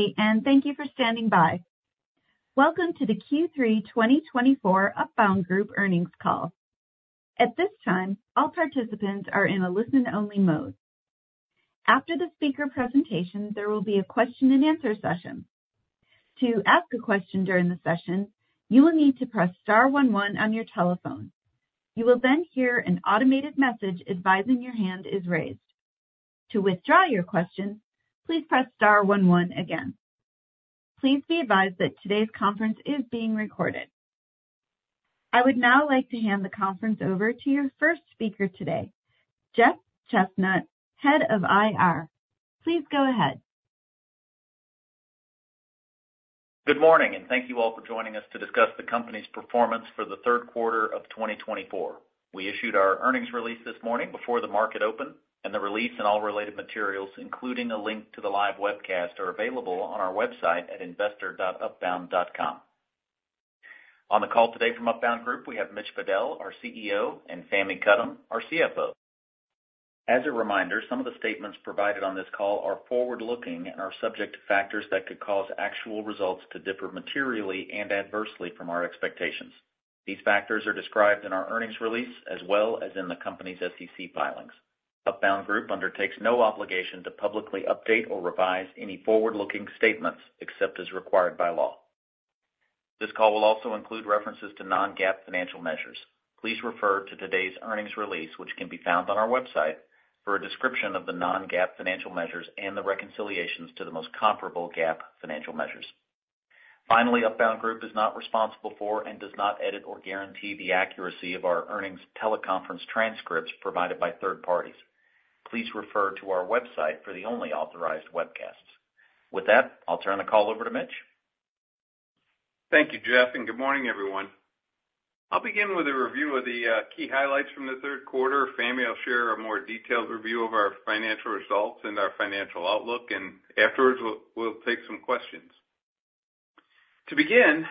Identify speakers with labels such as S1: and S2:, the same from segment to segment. S1: Good day, and thank you for standing by. Welcome to the Q3 2024 Upbound Group earnings call. At this time, all participants are in a listen-only mode. After the speaker presentation, there will be a question-and-answer session. To ask a question during the session, you will need to press star one one on your telephone. You will then hear an automated message advising your hand is raised. To withdraw your question, please press star one one again. Please be advised that today's conference is being recorded. I would now like to hand the conference over to your first speaker today, Jeff Chesnut, Head of IR. Please go ahead.
S2: Good morning, and thank you all for joining us to discuss the company's performance for the third quarter of 2024. We issued our earnings release this morning before the market opened, and the release and all related materials, including a link to the live webcast, are available on our website at investor.upbound.com. On the call today from Upbound Group, we have Mitch Fadel, our CEO, and Fahmi Karam, our CFO. As a reminder, some of the statements provided on this call are forward-looking and are subject to factors that could cause actual results to differ materially and adversely from our expectations. These factors are described in our earnings release as well as in the company's SEC filings. Upbound Group undertakes no obligation to publicly update or revise any forward-looking statements except as required by law. This call will also include references to non-GAAP financial measures. Please refer to today's earnings release, which can be found on our website, for a description of the non-GAAP financial measures and the reconciliations to the most comparable GAAP financial measures. Finally, Upbound Group is not responsible for and does not edit or guarantee the accuracy of our earnings teleconference transcripts provided by third-parties. Please refer to our website for the only authorized webcasts. With that, I'll turn the call over to Mitch.
S3: Thank you, Jeff, and good morning, everyone. I'll begin with a review of the key highlights from the third quarter. Fahmi will share a more detailed review of our financial results and our financial outlook, and afterwards, we'll take some questions. To begin,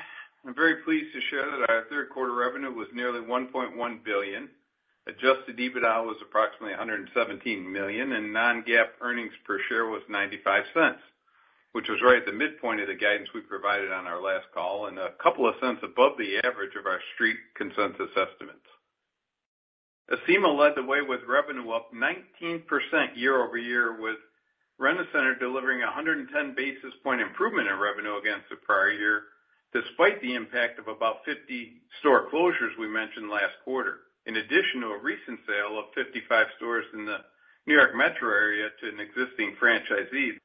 S3: I'm very pleased to share that our third quarter revenue was nearly $1.1 billion. Adjusted EBITDA was approximately $117 million, and non-GAAP earnings per share was $0.95, which was right at the midpoint of the guidance we provided on our last call and a couple of cents above the average of our street consensus estimates. Acima led the way with revenue up 19% year-over-year, with Rent-A-Center delivering a 110 basis points improvement in revenue against the prior year, despite the impact of about 50 store closures we mentioned last quarter, in addition to a recent sale of 55 stores in the New York metro area to an existing franchisee.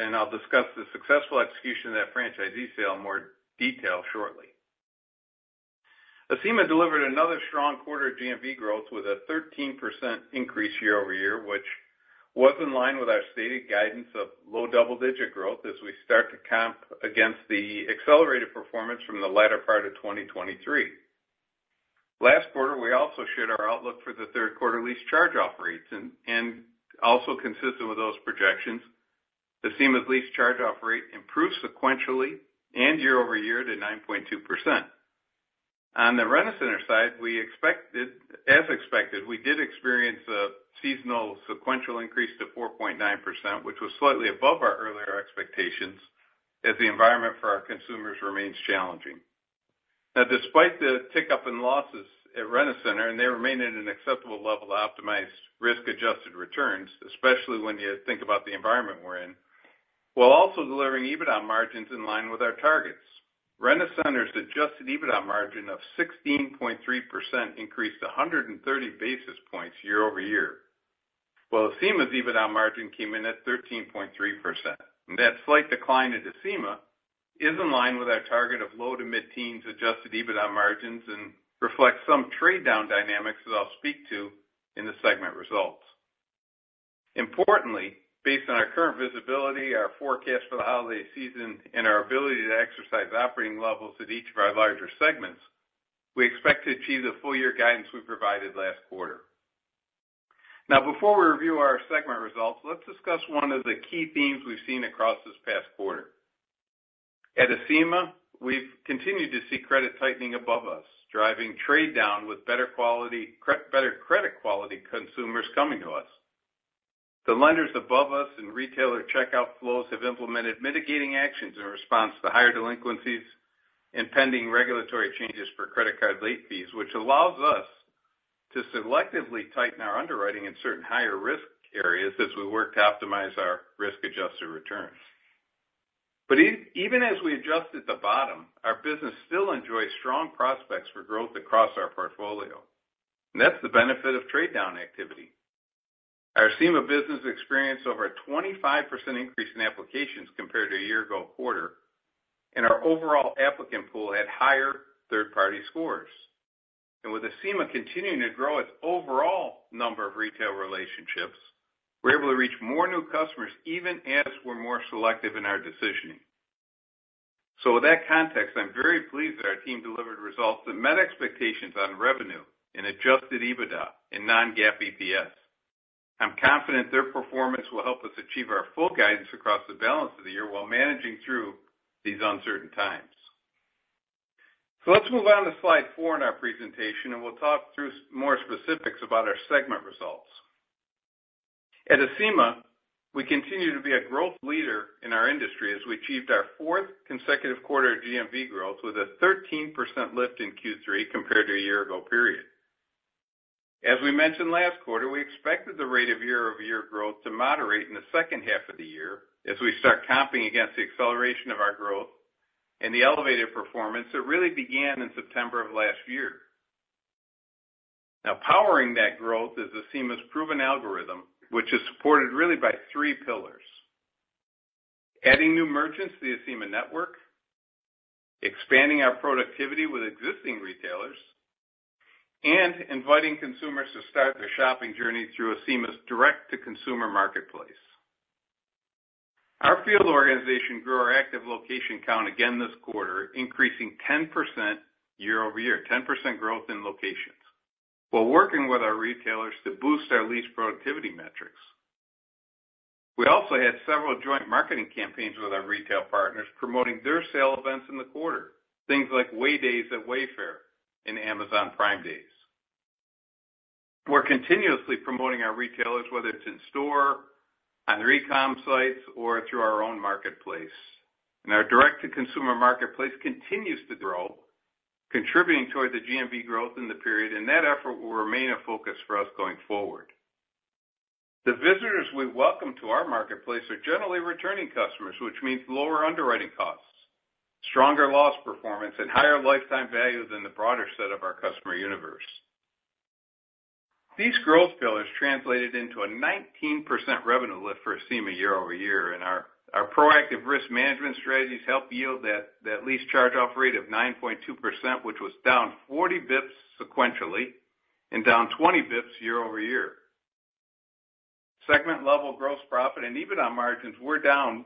S3: And I'll discuss the successful execution of that franchisee sale in more detail shortly. Acima delivered another strong quarter of GMV growth with a 13% increase year-over-year, which was in line with our stated guidance of low double-digit growth as we start to comp against the accelerated performance from the latter part of 2023. Last quarter, we also shared our outlook for the third quarter lease charge-off rates, and also consistent with those projections, Acima's lease charge-off rate improved sequentially and year-over-year to 9.2%. On the Rent-A-Center side, as expected, we did experience a seasonal sequential increase to 4.9%, which was slightly above our earlier expectations as the environment for our consumers remains challenging. Now, despite the tick-up in losses at Rent-A-Center, and they remain at an acceptable level to optimize risk-adjusted returns, especially when you think about the environment we're in, while also delivering EBITDA margins in line with our targets, Rent-A-Center's adjusted EBITDA margin of 16.3% increased 130 basis points year-over-year, while Acima's EBITDA margin came in at 13.3%. That slight decline in Acima is in line with our target of low to mid-teens adjusted EBITDA margins and reflects some trade-down dynamics that I'll speak to in the segment results. Importantly, based on our current visibility, our forecast for the holiday season, and our ability to exercise operating levels at each of our larger segments, we expect to achieve the full-year guidance we provided last quarter. Now, before we review our segment results, let's discuss one of the key themes we've seen across this past quarter. At Acima, we've continued to see credit tightening above us, driving trade-down with better credit-quality consumers coming to us. The lenders above us and retailer checkout flows have implemented mitigating actions in response to higher delinquencies and pending regulatory changes for credit card late fees, which allows us to selectively tighten our underwriting in certain higher-risk areas as we work to optimize our risk-adjusted returns. But even as we adjust at the bottom, our business still enjoys strong prospects for growth across our portfolio. And that's the benefit of trade-down activity. Our Acima business experienced over a 25% increase in applications compared to a year-ago quarter, and our overall applicant pool had higher third-party scores. With Acima continuing to grow its overall number of retail relationships, we're able to reach more new customers even as we're more selective in our decisioning. With that context, I'm very pleased that our team delivered results that met expectations on revenue and Adjusted EBITDA and non-GAAP EPS. I'm confident their performance will help us achieve our full guidance across the balance of the year while managing through these uncertain times. Let's move on to slide four in our presentation, and we'll talk through more specifics about our segment results. At Acima, we continue to be a growth leader in our industry as we achieved our fourth consecutive quarter of GMV growth with a 13% lift in Q3 compared to a year ago period. As we mentioned last quarter, we expected the rate of year-over-year growth to moderate in the second half of the year as we start comping against the acceleration of our growth and the elevated performance that really began in September of last year. Now, powering that growth is Acima's proven algorithm, which is supported really by three pillars: adding new merchants to the Acima network, expanding our productivity with existing retailers, and inviting consumers to start their shopping journey through Acima's direct-to-consumer marketplace. Our field organization grew our active location count again this quarter, increasing 10% year-over-year, 10% growth in locations, while working with our retailers to boost our lease productivity metrics. We also had several joint marketing campaigns with our retail partners promoting their sale events in the quarter, things like Way Days at Wayfair and Amazon Prime Days. We're continuously promoting our retailers, whether it's in store, on the e-comm sites, or through our own marketplace. And our direct-to-consumer marketplace continues to grow, contributing toward the GMV growth in the period, and that effort will remain a focus for us going forward. The visitors we welcome to our marketplace are generally returning customers, which means lower underwriting costs, stronger loss performance, and higher lifetime value than the broader set of our customer universe. These growth pillars translated into a 19% revenue lift for Acima year-over-year, and our proactive risk management strategies helped yield that lease charge-off rate of 9.2%, which was down 40 basis points sequentially and down 20 basis points year-over-year. Segment-level gross profit and EBITDA margins were down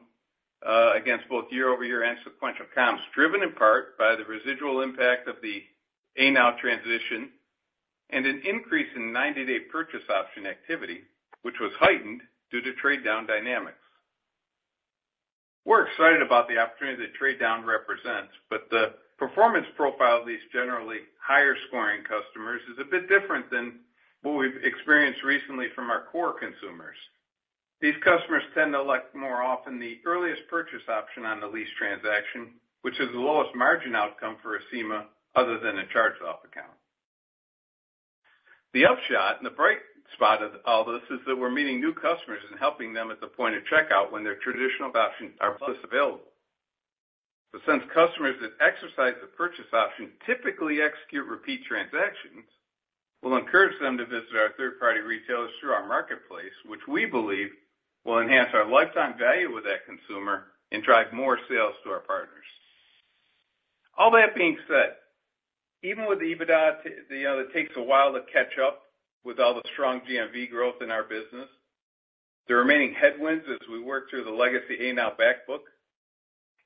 S3: against both year-over-year and sequential comps, driven in part by the residual impact of the ANOW transition and an increase in 90-day purchase option activity, which was heightened due to trade-down dynamics. We're excited about the opportunity that trade-down represents, but the performance profile of these generally higher-scoring customers is a bit different than what we've experienced recently from our core consumers. These customers tend to elect more often the earliest purchase option on the lease transaction, which is the lowest margin outcome for Acima other than a charge-off account. The upshot and the bright spot of all this is that we're meeting new customers and helping them at the point of checkout when their traditional options are less available. But since customers that exercise the purchase option typically execute repeat transactions, we'll encourage them to visit our third-party retailers through our marketplace, which we believe will enhance our lifetime value with that consumer and drive more sales to our partners. All that being said, even with the EBITDA that takes a while to catch up with all the strong GMV growth in our business, the remaining headwinds as we work through the legacy ANOW backbook,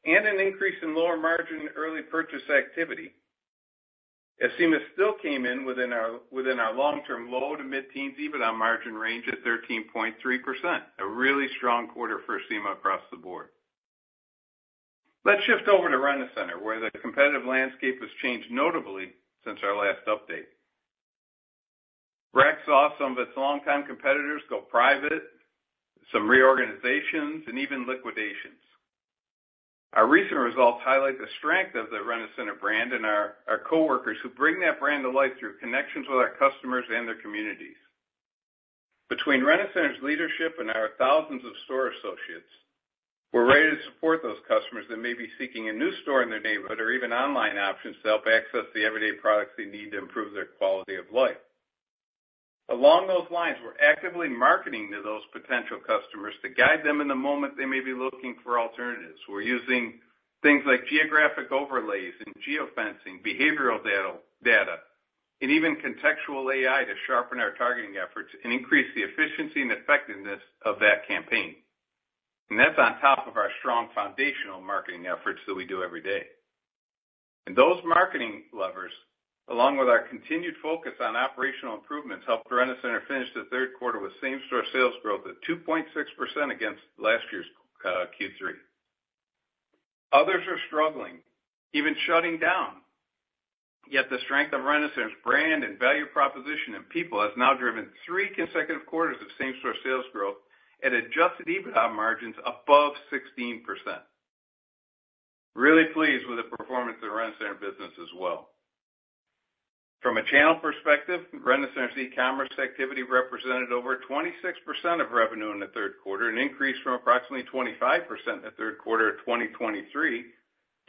S3: and an increase in lower margin early purchase activity, Acima still came in within our long-term low to mid-teens EBITDA margin range at 13.3%, a really strong quarter for Acima across the board. Let's shift over to Rent-A-Center, where the competitive landscape has changed notably since our last update. RAC saw some of its long-time competitors go private, some reorganizations, and even liquidations. Our recent results highlight the strength of the Rent-A-Center brand and our coworkers who bring that brand to life through connections with our customers and their communities. Between Rent-A-Center's leadership and our thousands of store associates, we're ready to support those customers that may be seeking a new store in their neighborhood or even online options to help access the everyday products they need to improve their quality of life. Along those lines, we're actively marketing to those potential customers to guide them in the moment they may be looking for alternatives. We're using things like geographic overlays and geofencing, behavioral data, and even contextual AI to sharpen our targeting efforts and increase the efficiency and effectiveness of that campaign. And that's on top of our strong foundational marketing efforts that we do every day. Those marketing levers, along with our continued focus on operational improvements, helped Rent-A-Center finish the third quarter with same-store sales growth at 2.6% against last year's Q3. Others are struggling, even shutting down. Yet the strength of Rent-A-Center's brand and value proposition and people has now driven three consecutive quarters of same-store sales growth and Adjusted EBITDA margins above 16%. Really pleased with the performance of the Rent-A-Center business as well. From a channel perspective, Rent-A-Center's e-commerce activity represented over 26% of revenue in the third quarter, an increase from approximately 25% in the third quarter of 2023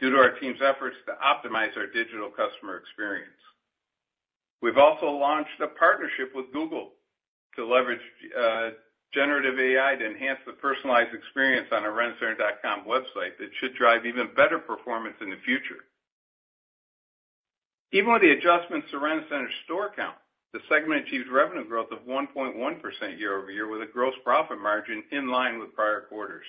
S3: due to our team's efforts to optimize our digital customer experience. We've also launched a partnership with Google to leverage generative AI to enhance the personalized experience on our rentacenter.com website that should drive even better performance in the future. Even with the adjustments to Rent-A-Center's store count, the segment achieved revenue growth of 1.1% year-over-year with a gross profit margin in line with prior quarters.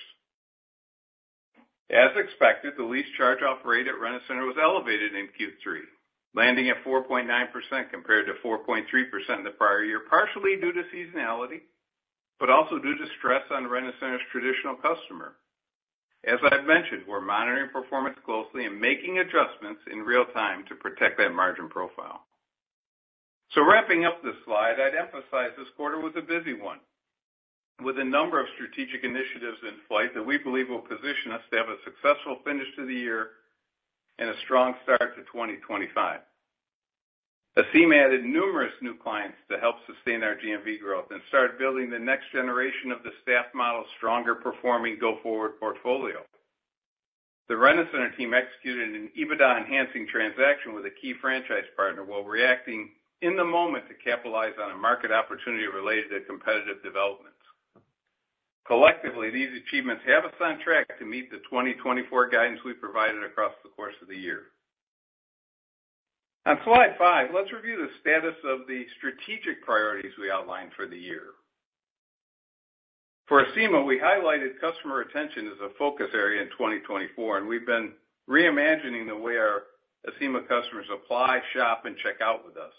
S3: As expected, the lease charge-off rate at Rent-A-Center was elevated in Q3, landing at 4.9% compared to 4.3% in the prior year, partially due to seasonality, but also due to stress on Rent-A-Center's traditional customer. As I've mentioned, we're monitoring performance closely and making adjustments in real time to protect that margin profile. So wrapping up this slide, I'd emphasize this quarter was a busy one with a number of strategic initiatives in flight that we believe will position us to have a successful finish to the year and a strong start to 2025. Acima added numerous new clients to help sustain our GMV growth and start building the next generation of the staff model's stronger-performing go-forward portfolio. The Rent-A-Center team executed an EBITDA-enhancing transaction with a key franchise partner while reacting in the moment to capitalize on a market opportunity related to competitive developments. Collectively, these achievements have us on track to meet the 2024 guidance we provided across the course of the year. On slide five, let's review the status of the strategic priorities we outlined for the year. For Acima, we highlighted customer retention as a focus area in 2024, and we've been reimagining the way our Acima customers apply, shop, and check out with us.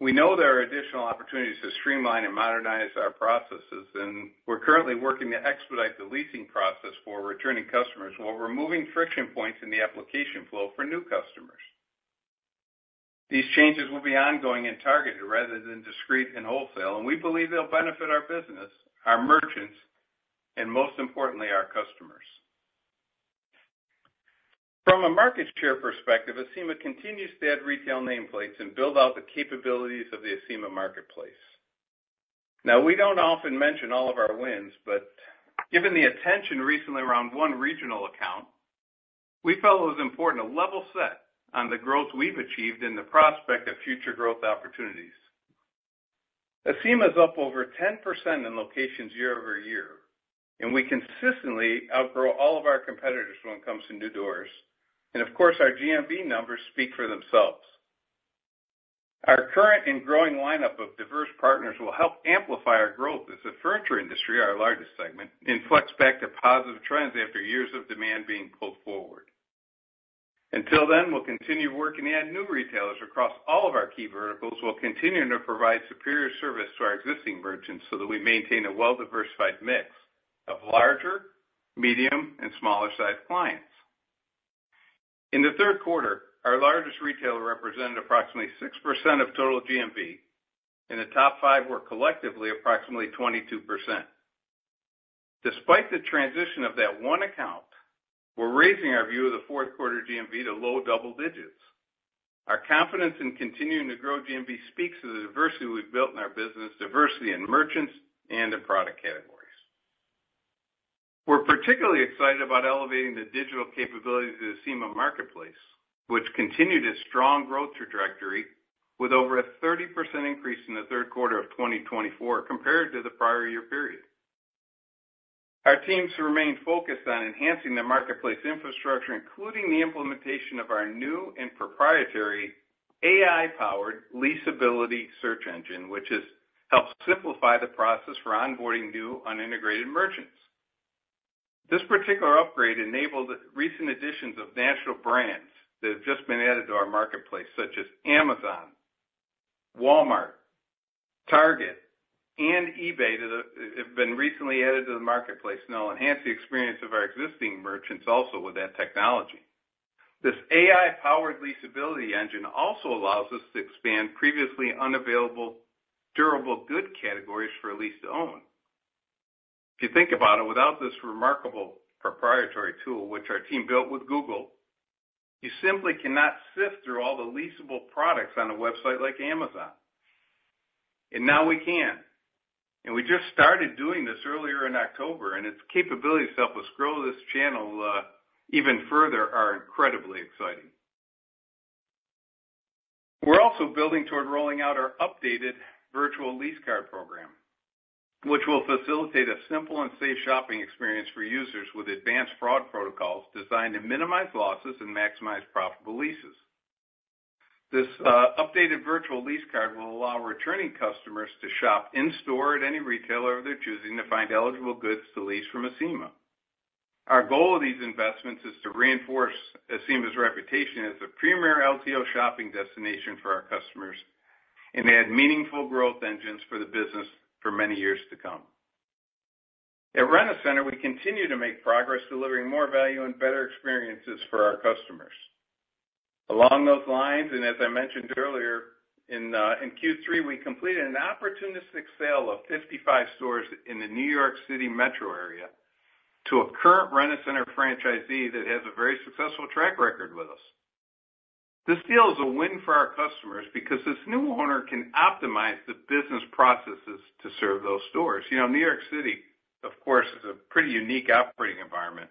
S3: We know there are additional opportunities to streamline and modernize our processes, and we're currently working to expedite the leasing process for returning customers while removing friction points in the application flow for new customers. These changes will be ongoing and targeted rather than discreet and wholesale, and we believe they'll benefit our business, our merchants, and most importantly, our customers. From a market share perspective, Acima continues to add retail nameplates and build out the capabilities of the Acima marketplace. Now, we don't often mention all of our wins, but given the attention recently around one regional account, we felt it was important to level set on the growth we've achieved and the prospect of future growth opportunities. Acima is up over 10% in locations year-over-year, and we consistently outgrow all of our competitors when it comes to new doors. And of course, our GMV numbers speak for themselves. Our current and growing lineup of diverse partners will help amplify our growth as the furniture industry, our largest segment, inflects back to positive trends after years of demand being pulled forward. Until then, we'll continue working to add new retailers across all of our key verticals while continuing to provide superior service to our existing merchants so that we maintain a well-diversified mix of larger, medium, and smaller-sized clients. In the third quarter, our largest retailer represented approximately 6% of total GMV, and the top five were collectively approximately 22%. Despite the transition of that one account, we're raising our view of the fourth quarter GMV to low double digits. Our confidence in continuing to grow GMV speaks to the diversity we've built in our business, diversity in merchants and in product categories. We're particularly excited about elevating the digital capabilities of the Acima marketplace, which continued its strong growth trajectory with over a 30% increase in the third quarter of 2024 compared to the prior year period. Our teams remain focused on enhancing the marketplace infrastructure, including the implementation of our new and proprietary AI-powered leasability search engine, which has helped simplify the process for onboarding new unintegrated merchants. This particular upgrade enabled recent additions of national brands that have just been added to our marketplace, such as Amazon, Walmart, Target, and eBay, that have been recently added to the marketplace and will enhance the experience of our existing merchants also with that technology. This AI-powered leasability engine also allows us to expand previously unavailable durable good categories for lease-to-own. If you think about it, without this remarkable proprietary tool, which our team built with Google, you simply cannot sift through all the leasable products on a website like Amazon. And now we can. And we just started doing this earlier in October, and its capabilities to help us grow this channel even further are incredibly exciting. We're also building toward rolling out our updated virtual lease card program, which will facilitate a simple and safe shopping experience for users with advanced fraud protocols designed to minimize losses and maximize profitable leases. This updated virtual lease card will allow returning customers to shop in-store at any retailer of their choosing to find eligible goods to lease from Acima. Our goal of these investments is to reinforce Acima's reputation as a premier LTO shopping destination for our customers and add meaningful growth engines for the business for many years to come. At Rent-A-Center, we continue to make progress delivering more value and better experiences for our customers. Along those lines, and as I mentioned earlier, in Q3, we completed an opportunistic sale of 55 stores in the New York City metro area to a current Rent-A-Center franchisee that has a very successful track record with us. This deal is a win for our customers because this new owner can optimize the business processes to serve those stores. New York City, of course, is a pretty unique operating environment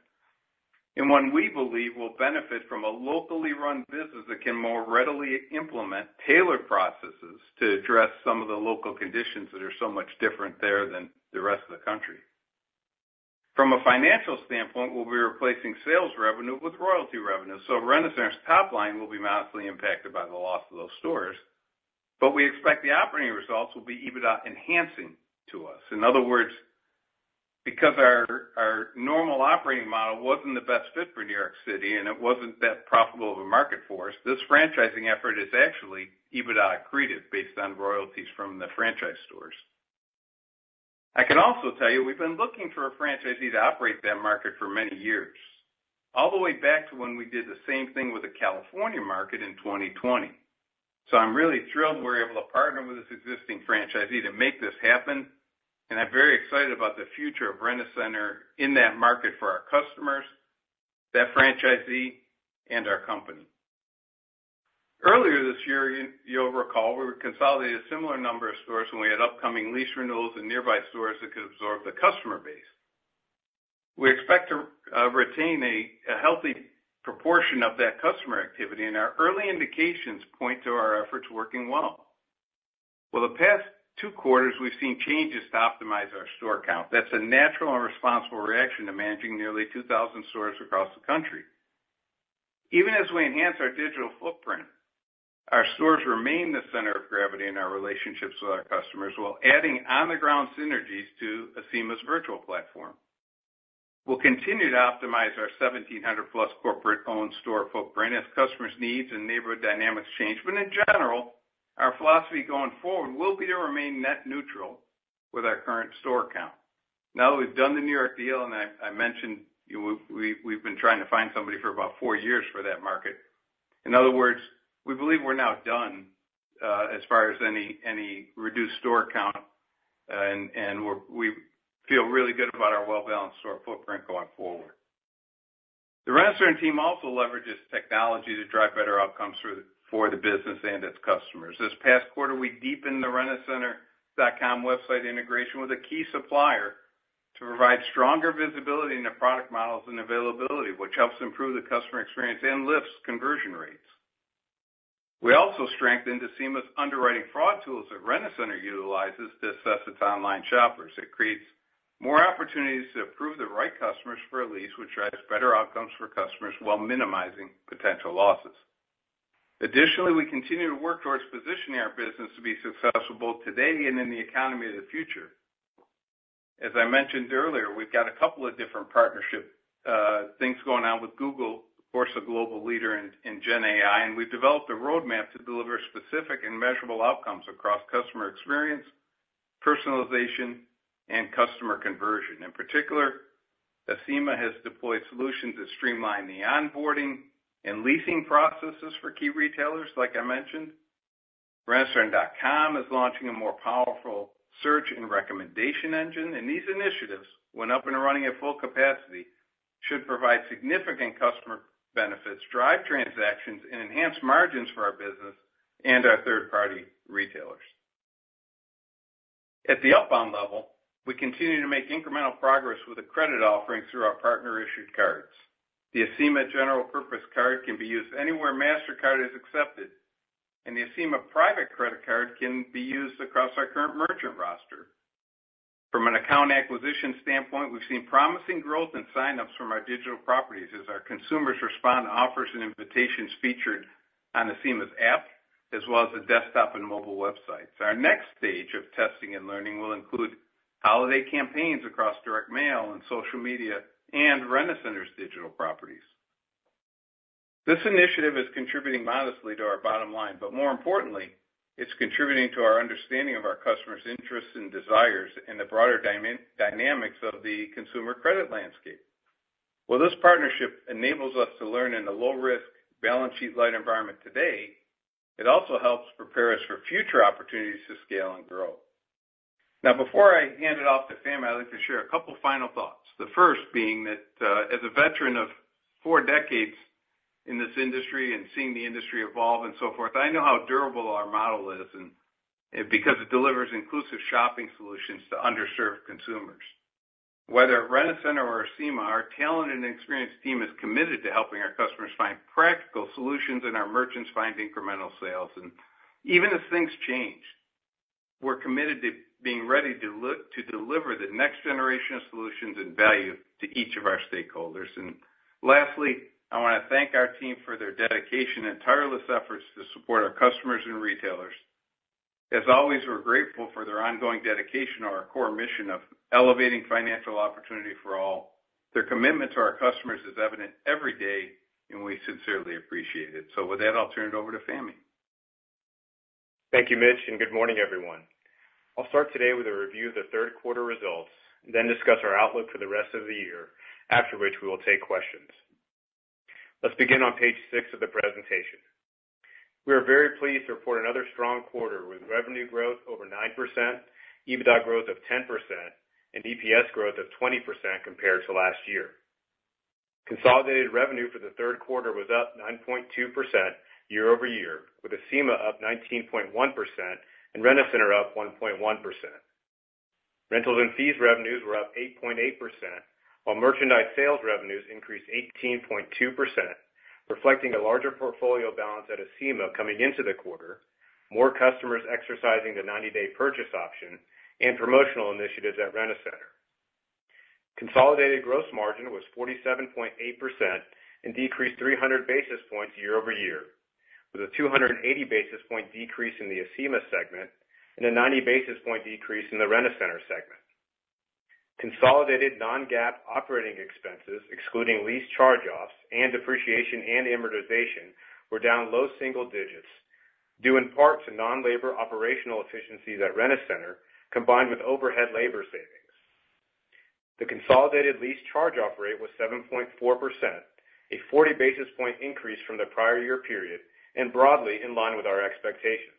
S3: and one we believe will benefit from a locally run business that can more readily implement tailored processes to address some of the local conditions that are so much different there than the rest of the country. From a financial standpoint, we'll be replacing sales revenue with royalty revenue. So Rent-A-Center top line will be massively impacted by the loss of those stores, but we expect the operating results will be EBITDA-enhancing to us. In other words, because our normal operating model wasn't the best fit for New York City and it wasn't that profitable of a market force, this franchising effort is actually EBITDA-created based on royalties from the franchise stores. I can also tell you we've been looking for a franchisee to operate that market for many years, all the way back to when we did the same thing with the California market in 2020, so I'm really thrilled we're able to partner with this existing franchisee to make this happen, and I'm very excited about the future of Rent-A-Center in that market for our customers, that franchisee, and our company. Earlier this year, you'll recall we consolidated a similar number of stores when we had upcoming lease renewals in nearby stores that could absorb the customer base. We expect to retain a healthy proportion of that customer activity, and our early indications point to our efforts working well. The past two quarters, we've seen changes to optimize our store count. That's a natural and responsible reaction to managing nearly 2,000 stores across the country. Even as we enhance our digital footprint, our stores remain the center of gravity in our relationships with our customers while adding on-the-ground synergies to Acima's virtual platform. We'll continue to optimize our 1,700+ corporate-owned store footprint as customers' needs and neighborhood dynamics change, but in general, our philosophy going forward will be to remain net neutral with our current store count. Now that we've done the New York deal, and I mentioned we've been trying to find somebody for about four years for that market. In other words, we believe we're now done as far as any reduced store count, and we feel really good about our well-balanced store footprint going forward. The Rent-A-Center team also leverages technology to drive better outcomes for the business and its customers. This past quarter, we deepened the rentacenter.com website integration with a key supplier to provide stronger visibility into product models and availability, which helps improve the customer experience and lifts conversion rates. We also strengthened Acima's underwriting fraud tools that Rent-A-Center utilizes to assess its online shoppers. It creates more opportunities to approve the right customers for a lease, which drives better outcomes for customers while minimizing potential losses. Additionally, we continue to work towards positioning our business to be successful both today and in the economy of the future. As I mentioned earlier, we've got a couple of different partnership things going on with Google, of course, a global leader in Gen AI, and we've developed a roadmap to deliver specific and measurable outcomes across customer experience, personalization, and customer conversion. In particular, Acima has deployed solutions to streamline the onboarding and leasing processes for key retailers, like I mentioned. rentacenter.com is launching a more powerful search and recommendation engine, and these initiatives, when up and running at full capacity, should provide significant customer benefits, drive transactions, and enhance margins for our business and our third-party retailers. At the Upbound level, we continue to make incremental progress with the credit offerings through our partner-issued cards. The Acima general purpose card can be used anywhere Mastercard is accepted, and the Acima private credit card can be used across our current merchant roster. From an account acquisition standpoint, we've seen promising growth and signups from our digital properties as our consumers respond to offers and invitations featured on Acima's app, as well as the desktop and mobile websites. Our next stage of testing and learning will include holiday campaigns across direct mail and social media and Rent-A-Center digital properties. This initiative is contributing modestly to our bottom line, but more importantly, it's contributing to our understanding of our customers' interests and desires and the broader dynamics of the consumer credit landscape. While this partnership enables us to learn in a low-risk, balance sheet-light environment today, it also helps prepare us for future opportunities to scale and grow. Now, before I hand it off to Fahmi, I'd like to share a couple of final thoughts. The first being that, as a veteran of four decades in this industry and seeing the industry evolve and so forth, I know how durable our model is because it delivers inclusive shopping solutions to underserved consumers. Whether at Rent-A-Center or Acima, our talented and experienced team is committed to helping our customers find practical solutions and our merchants find incremental sales. Even as things change, we're committed to being ready to deliver the next generation of solutions and value to each of our stakeholders. Lastly, I want to thank our team for their dedication and tireless efforts to support our customers and retailers. As always, we're grateful for their ongoing dedication to our core mission of elevating financial opportunity for all. Their commitment to our customers is evident every day, and we sincerely appreciate it. With that, I'll turn it over to Fahmi.
S4: Thank you, Mitch, and good morning, everyone. I'll start today with a review of the third quarter results, then discuss our outlook for the rest of the year, after which we will take questions. Let's begin on page six of the presentation. We are very pleased to report another strong quarter with revenue growth over 9%, EBITDA growth of 10%, and EPS growth of 20% compared to last year. Consolidated revenue for the third quarter was up 9.2% year-over-year, with Acima up 19.1% and Rent-A-Center up 1.1%. Rentals and fees revenues were up 8.8%, while merchandise sales revenues increased 18.2%, reflecting a larger portfolio balance at Acima coming into the quarter, more customers exercising the 90-day purchase option, and promotional initiatives at Rent-A-Center. Consolidated gross margin was 47.8% and decreased 300 basis points year-over-year, with a 280 basis point decrease in the Acima segment and a 90 basis point decrease in the Rent-A-Center segment. Consolidated non-GAAP operating expenses, excluding lease charge-offs and depreciation and amortization, were down low single digits, due in part to non-labor operational efficiencies at Rent-A-Center, combined with overhead labor savings. The consolidated lease charge-off rate was 7.4%, a 40 basis point increase from the prior year period, and broadly in line with our expectations.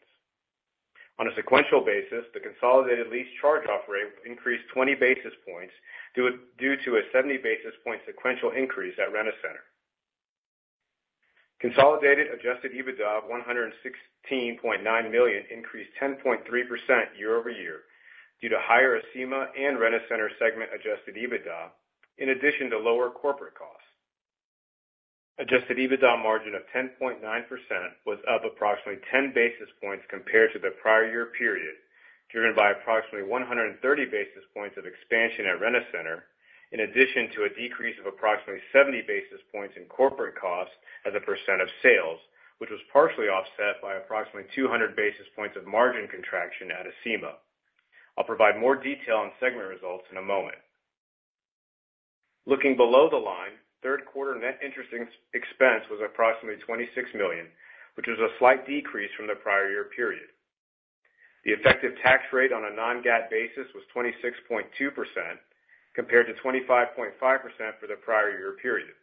S4: On a sequential basis, the consolidated lease charge-off rate increased 20 basis points due to a 70 basis point sequential increase at Rent-A-Center. Consolidated adjusted EBITDA of $116.9 million increased 10.3% year-over-year due to higher Acima and Rent-A-Center segment adjusted EBITDA, in addition to lower corporate costs. Adjusted EBITDA margin of 10.9% was up approximately 10 basis points compared to the prior year period, driven by approximately 130 basis points of expansion at Rent-A-Center, in addition to a decrease of approximately 70 basis points in corporate costs as a percent of sales, which was partially offset by approximately 200 basis points of margin contraction at Acima. I'll provide more detail on segment results in a moment. Looking below the line, third quarter net interest expense was approximately $26 million, which was a slight decrease from the prior year period. The effective tax rate on a non-GAAP basis was 26.2% compared to 25.5% for the prior year period.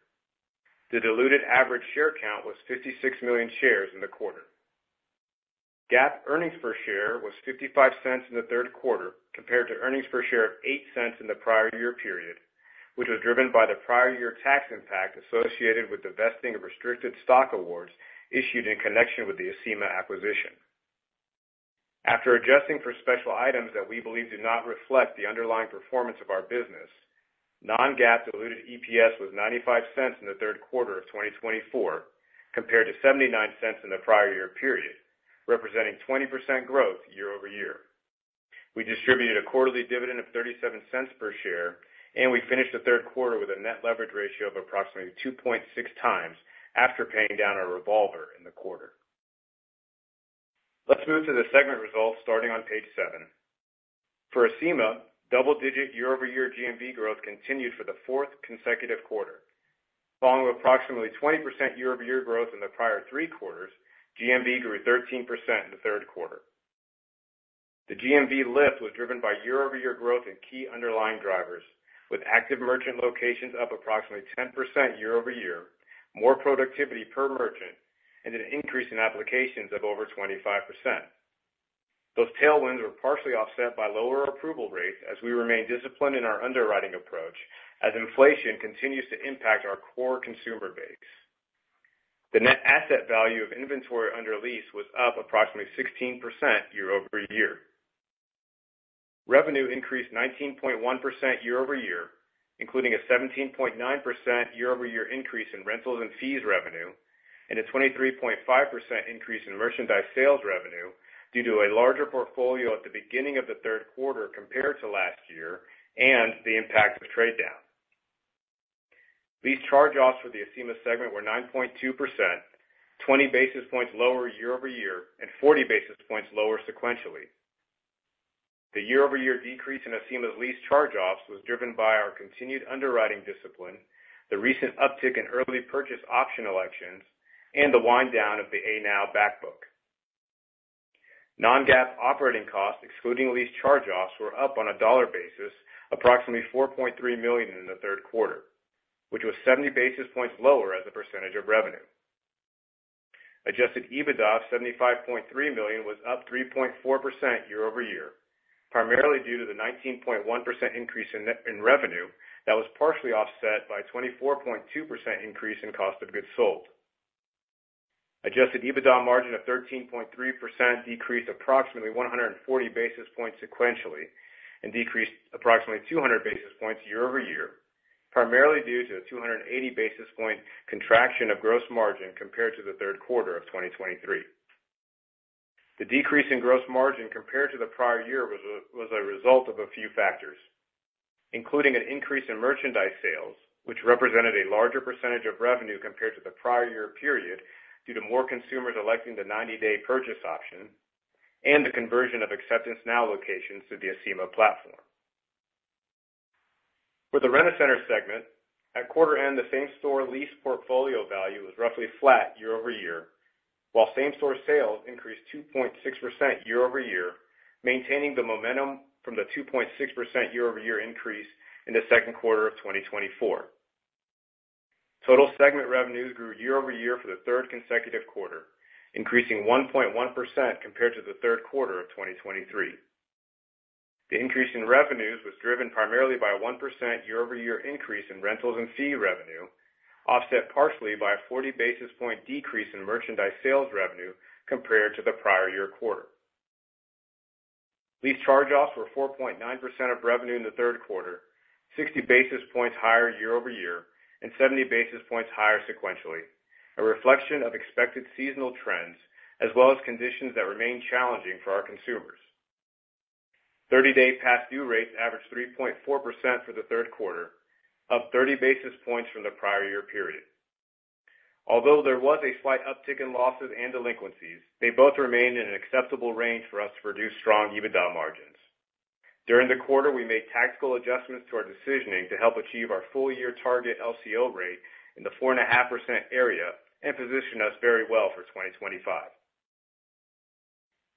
S4: The diluted average share count was 56 million shares in the quarter. GAAP earnings per share was $0.55 in the third quarter compared to earnings per share of $0.08 in the prior year period, which was driven by the prior year tax impact associated with the vesting of restricted stock awards issued in connection with the Acima acquisition. After adjusting for special items that we believe do not reflect the underlying performance of our business, non-GAAP diluted EPS was $0.95 in the third quarter of 2024 compared to $0.79 in the prior year period, representing 20% growth year-over-year. We distributed a quarterly dividend of $0.37 per share, and we finished the third quarter with a net leverage ratio of approximately 2.6x after paying down our revolver in the quarter. Let's move to the segment results starting on page seven. For Acima, double-digit year-over-year GMV growth continued for the fourth consecutive quarter. Following approximately 20% year-over-year growth in the prior three quarters, GMV grew 13% in the third quarter. The GMV lift was driven by year-over-year growth and key underlying drivers, with active merchant locations up approximately 10% year-over-year, more productivity per merchant, and an increase in applications of over 25%. Those tailwinds were partially offset by lower approval rates as we remain disciplined in our underwriting approach as inflation continues to impact our core consumer base. The net asset value of inventory under lease was up approximately 16% year-over-year. Revenue increased 19.1% year-over-year, including a 17.9% year-over-year increase in rentals and fees revenue, and a 23.5% increase in merchandise sales revenue due to a larger portfolio at the beginning of the third quarter compared to last year and the impact of trade down. Lease charge-offs for the Acima segment were 9.2%, 20 basis points lower year-over-year, and 40 basis points lower sequentially. The year-over-year decrease in Acima's lease charge-offs was driven by our continued underwriting discipline, the recent uptick in early purchase option elections, and the wind down of the ANOW backbook. Non-GAAP operating costs, excluding lease charge-offs, were up on a dollar basis, approximately $4.3 million in the third quarter, which was 70 basis points lower as a percentage of revenue. Adjusted EBITDA of $75.3 million was up 3.4% year-over-year, primarily due to the 19.1% increase in revenue that was partially offset by a 24.2% increase in cost of goods sold. Adjusted EBITDA margin of 13.3% decreased approximately 140 basis points sequentially and decreased approximately 200 basis points year-over-year, primarily due to a 280 basis point contraction of gross margin compared to the third quarter of 2023. The decrease in gross margin compared to the prior year was a result of a few factors, including an increase in merchandise sales, which represented a larger percentage of revenue compared to the prior year period due to more consumers electing the 90-day purchase option and the conversion of Acceptance Now locations to the Acima platform. For the Rent-A-Center segment, at quarter end, the same-store lease portfolio value was roughly flat year-over-year, while same-store sales increased 2.6% year-over-year, maintaining the momentum from the 2.6% year-over-year increase in the second quarter of 2024. Total segment revenues grew year-over-year for the third consecutive quarter, increasing 1.1% compared to the third quarter of 2023. The increase in revenues was driven primarily by a 1% year-over-year increase in rentals and fee revenue, offset partially by a 40 basis points decrease in merchandise sales revenue compared to the prior year quarter. Lease charge-offs were 4.9% of revenue in the third quarter, 60 basis points higher year-over-year, and 70 basis points higher sequentially, a reflection of expected seasonal trends as well as conditions that remain challenging for our consumers. 30-day past due rates averaged 3.4% for the third quarter, up 30 basis points from the prior year period. Although there was a slight uptick in losses and delinquencies, they both remained in an acceptable range for us to produce strong EBITDA margins. During the quarter, we made tactical adjustments to our decisioning to help achieve our full-year target LCO rate in the 4.5% area and position us very well for 2025.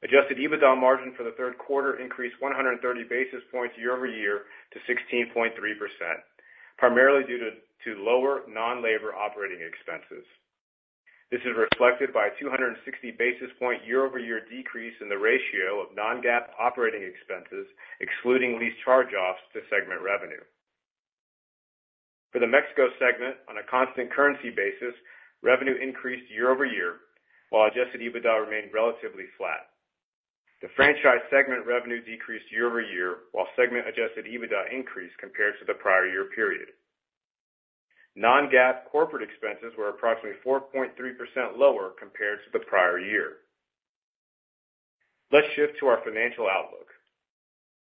S4: Adjusted EBITDA margin for the third quarter increased 130 basis points year-over-year to 16.3%, primarily due to lower non-labor operating expenses. This is reflected by a 260 basis point year-over-year decrease in the ratio of non-GAAP operating expenses, excluding lease charge-offs, to segment revenue. For the Mexico segment, on a constant currency basis, revenue increased year-over-year, while Adjusted EBITDA remained relatively flat. The franchise segment revenue decreased year-over-year, while segment Adjusted EBITDA increased compared to the prior year period. Non-GAAP corporate expenses were approximately 4.3% lower compared to the prior year. Let's shift to our financial outlook.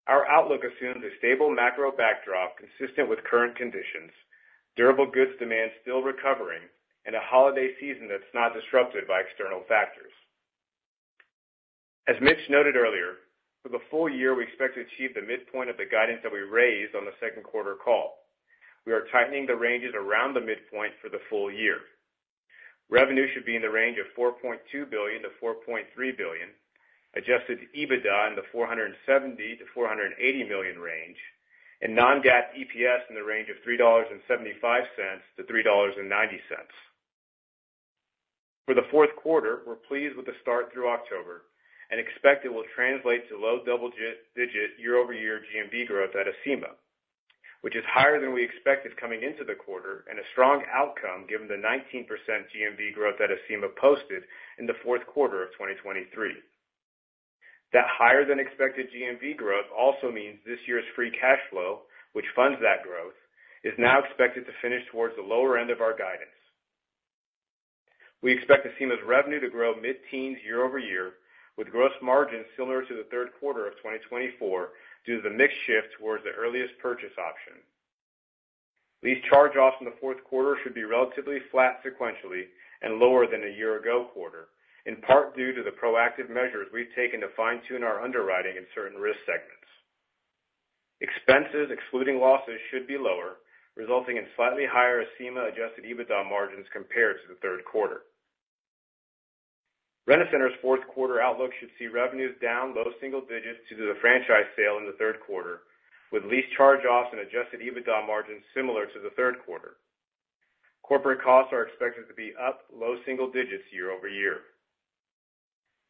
S4: Our outlook assumes a stable macro backdrop consistent with current conditions, durable goods demand still recovering, and a holiday season that's not disrupted by external factors. As Mitch noted earlier, for the full year, we expect to achieve the midpoint of the guidance that we raised on the second quarter call. We are tightening the ranges around the midpoint for the full year. Revenue should be in the range of $4.2 billion-$4.3 billion, Adjusted EBITDA in the $470 million-$480 million range, and non-GAAP EPS in the range of $3.75-$3.90. For the fourth quarter, we're pleased with the start through October and expect it will translate to low double-digit year-over-year GMV growth at Acima, which is higher than we expected coming into the quarter and a strong outcome given the 19% GMV growth that Acima posted in the fourth quarter of 2023. That higher-than-expected GMV growth also means this year's free cash flow, which funds that growth, is now expected to finish towards the lower end of our guidance. We expect Acima's revenue to grow mid-teens year-over-year, with gross margins similar to the third quarter of 2024 due to the mixed shift towards the earliest purchase option. Lease charge-offs in the fourth quarter should be relatively flat sequentially and lower than a year-ago quarter, in part due to the proactive measures we've taken to fine-tune our underwriting in certain risk segments. Expenses excluding losses should be lower, resulting in slightly higher Acima adjusted EBITDA margins compared to the third quarter. Rent-A-Center's fourth quarter outlook should see revenues down low single digits due to the franchise sale in the third quarter, with lease charge-offs and adjusted EBITDA margins similar to the third quarter. Corporate costs are expected to be up low single digits year-over-year.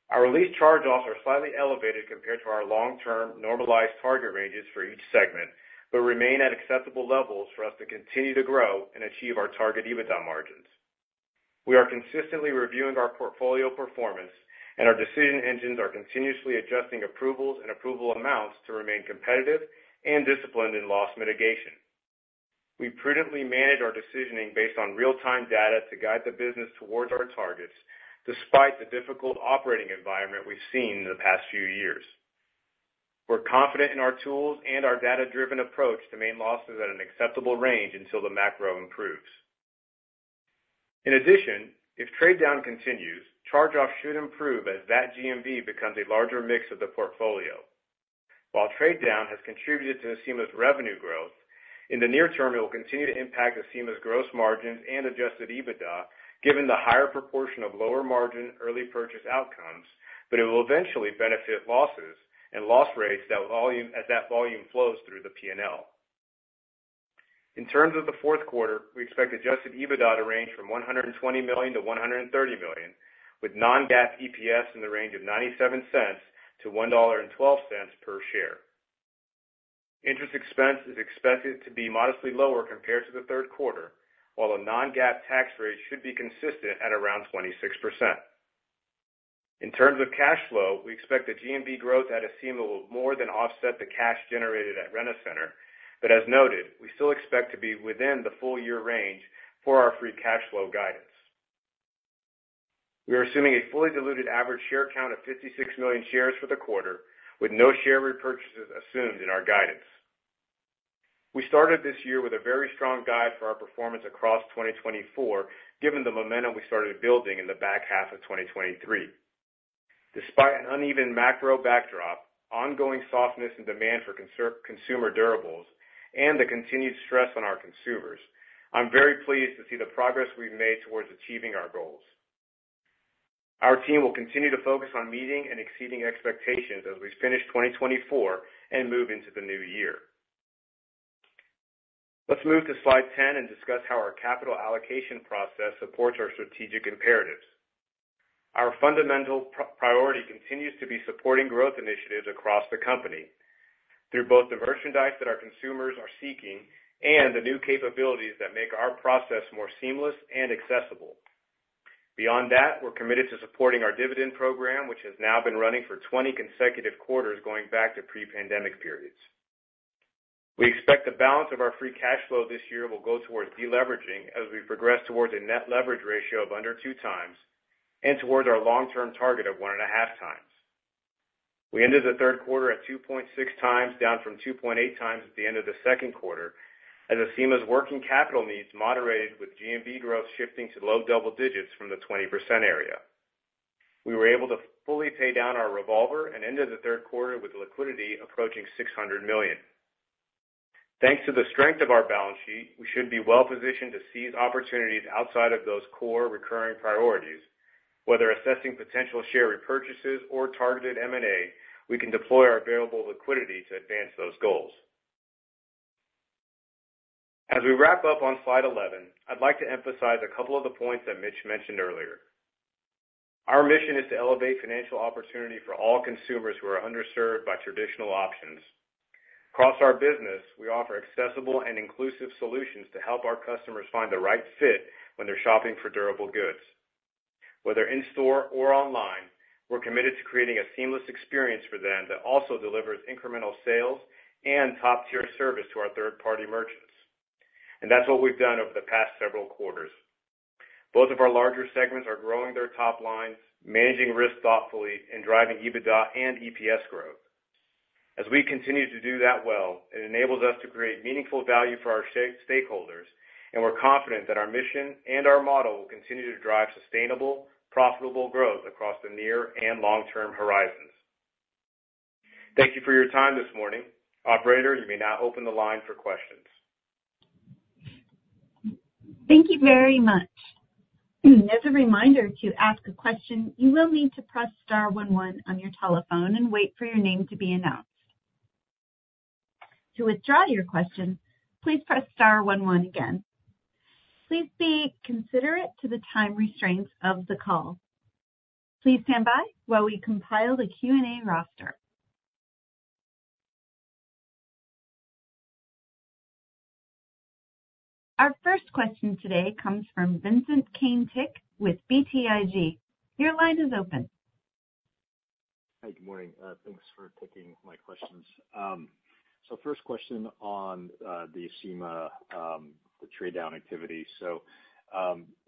S4: Our lease charge-offs are slightly elevated compared to our long-term normalized target ranges for each segment, but remain at acceptable levels for us to continue to grow and achieve our target EBITDA margins. We are consistently reviewing our portfolio performance, and our decision engines are continuously adjusting approvals and approval amounts to remain competitive and disciplined in loss mitigation. We prudently manage our decisioning based on real-time data to guide the business towards our targets, despite the difficult operating environment we've seen in the past few years. We're confident in our tools and our data-driven approach to maintain losses at an acceptable range until the macro improves. In addition, if trade down continues, charge-offs should improve as that GMV becomes a larger mix of the portfolio. While trade down has contributed to Acima's revenue growth, in the near-term, it will continue to impact Acima's gross margins and adjusted EBITDA, given the higher proportion of lower margin early purchase outcomes, but it will eventually benefit losses and loss rates that volume as that volume flows through the P&L. In terms of the fourth quarter, we expect adjusted EBITDA to range from $120 million-$130 million, with non-GAAP EPS in the range of $0.97-$1.12 per share. Interest expense is expected to be modestly lower compared to the third quarter, while a non-GAAP tax rate should be consistent at around 26%. In terms of cash flow, we expect the GMV growth at Acima will more than offset the cash generated at Rent-A-Center, but as noted, we still expect to be within the full-year range for our free cash flow guidance. We are assuming a fully diluted average share count of 56 million shares for the quarter, with no share repurchases assumed in our guidance. We started this year with a very strong guide for our performance across 2024, given the momentum we started building in the back half of 2023. Despite an uneven macro backdrop, ongoing softness in demand for consumer durables, and the continued stress on our consumers, I'm very pleased to see the progress we've made towards achieving our goals. Our team will continue to focus on meeting and exceeding expectations as we finish 2024 and move into the new year. Let's move to slide 10 and discuss how our capital allocation process supports our strategic imperatives. Our fundamental priority continues to be supporting growth initiatives across the company through both the merchandise that our consumers are seeking and the new capabilities that make our process more seamless and accessible. Beyond that, we're committed to supporting our dividend program, which has now been running for 20 consecutive quarters going back to pre-pandemic periods. We expect the balance of our free cash flow this year will go towards deleveraging as we progress towards a net leverage ratio of under 2x and towards our long-term target of 1.5x. We ended the third quarter at 2.6x, down from 2.8x at the end of the second quarter, as Acima's working capital needs moderated with GMV growth shifting to low double digits from the 20% area. We were able to fully pay down our revolver and ended the third quarter with liquidity approaching $600 million. Thanks to the strength of our balance sheet, we should be well-positioned to seize opportunities outside of those core recurring priorities. Whether assessing potential share repurchases or targeted M&A, we can deploy our variable liquidity to advance those goals. As we wrap up on slide 11, I'd like to emphasize a couple of the points that Mitch mentioned earlier. Our mission is to elevate financial opportunity for all consumers who are underserved by traditional options. Across our business, we offer accessible and inclusive solutions to help our customers find the right fit when they're shopping for durable goods. Whether in store or online, we're committed to creating a seamless experience for them that also delivers incremental sales and top-tier service to our third-party merchants. And that's what we've done over the past several quarters. Both of our larger segments are growing their top lines, managing risk thoughtfully, and driving EBITDA and EPS growth. As we continue to do that well, it enables us to create meaningful value for our stakeholders, and we're confident that our mission and our model will continue to drive sustainable, profitable growth across the near and long-term horizons. Thank you for your time this morning. Operator, you may now open the line for questions.
S1: Thank you very much. As a reminder to ask a question, you will need to press star one one on your telephone and wait for your name to be announced. To withdraw your question, please press star one one again. Please be considerate to the time restraints of the call. Please stand by while we compile the Q&A roster. Our first question today comes from Vincent Caintic with BTIG. Your line is open.
S5: Hi, good morning. Thanks for taking my questions. So first question on the Acima, the trade down activity. So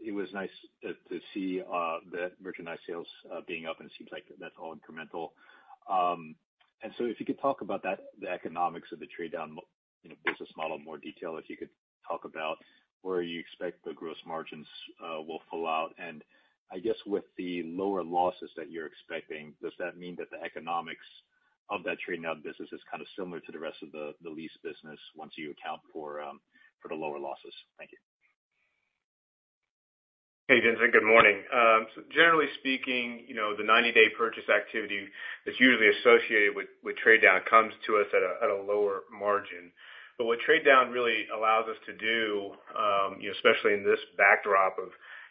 S5: it was nice to see the merchandise sales being up, and it seems like that's all incremental. And so if you could talk about the economics of the trade down business model in more detail, if you could talk about where you expect the gross margins will fall out. And I guess with the lower losses that you're expecting, does that mean that the economics of that trade down business is kind of similar to the rest of the lease business once you account for the lower losses? Thank you.
S4: Hey, Vincent, good morning. Generally speaking, the 90-day purchase activity that's usually associated with trade down comes to us at a lower margin. But what trade down really allows us to do, especially in this backdrop of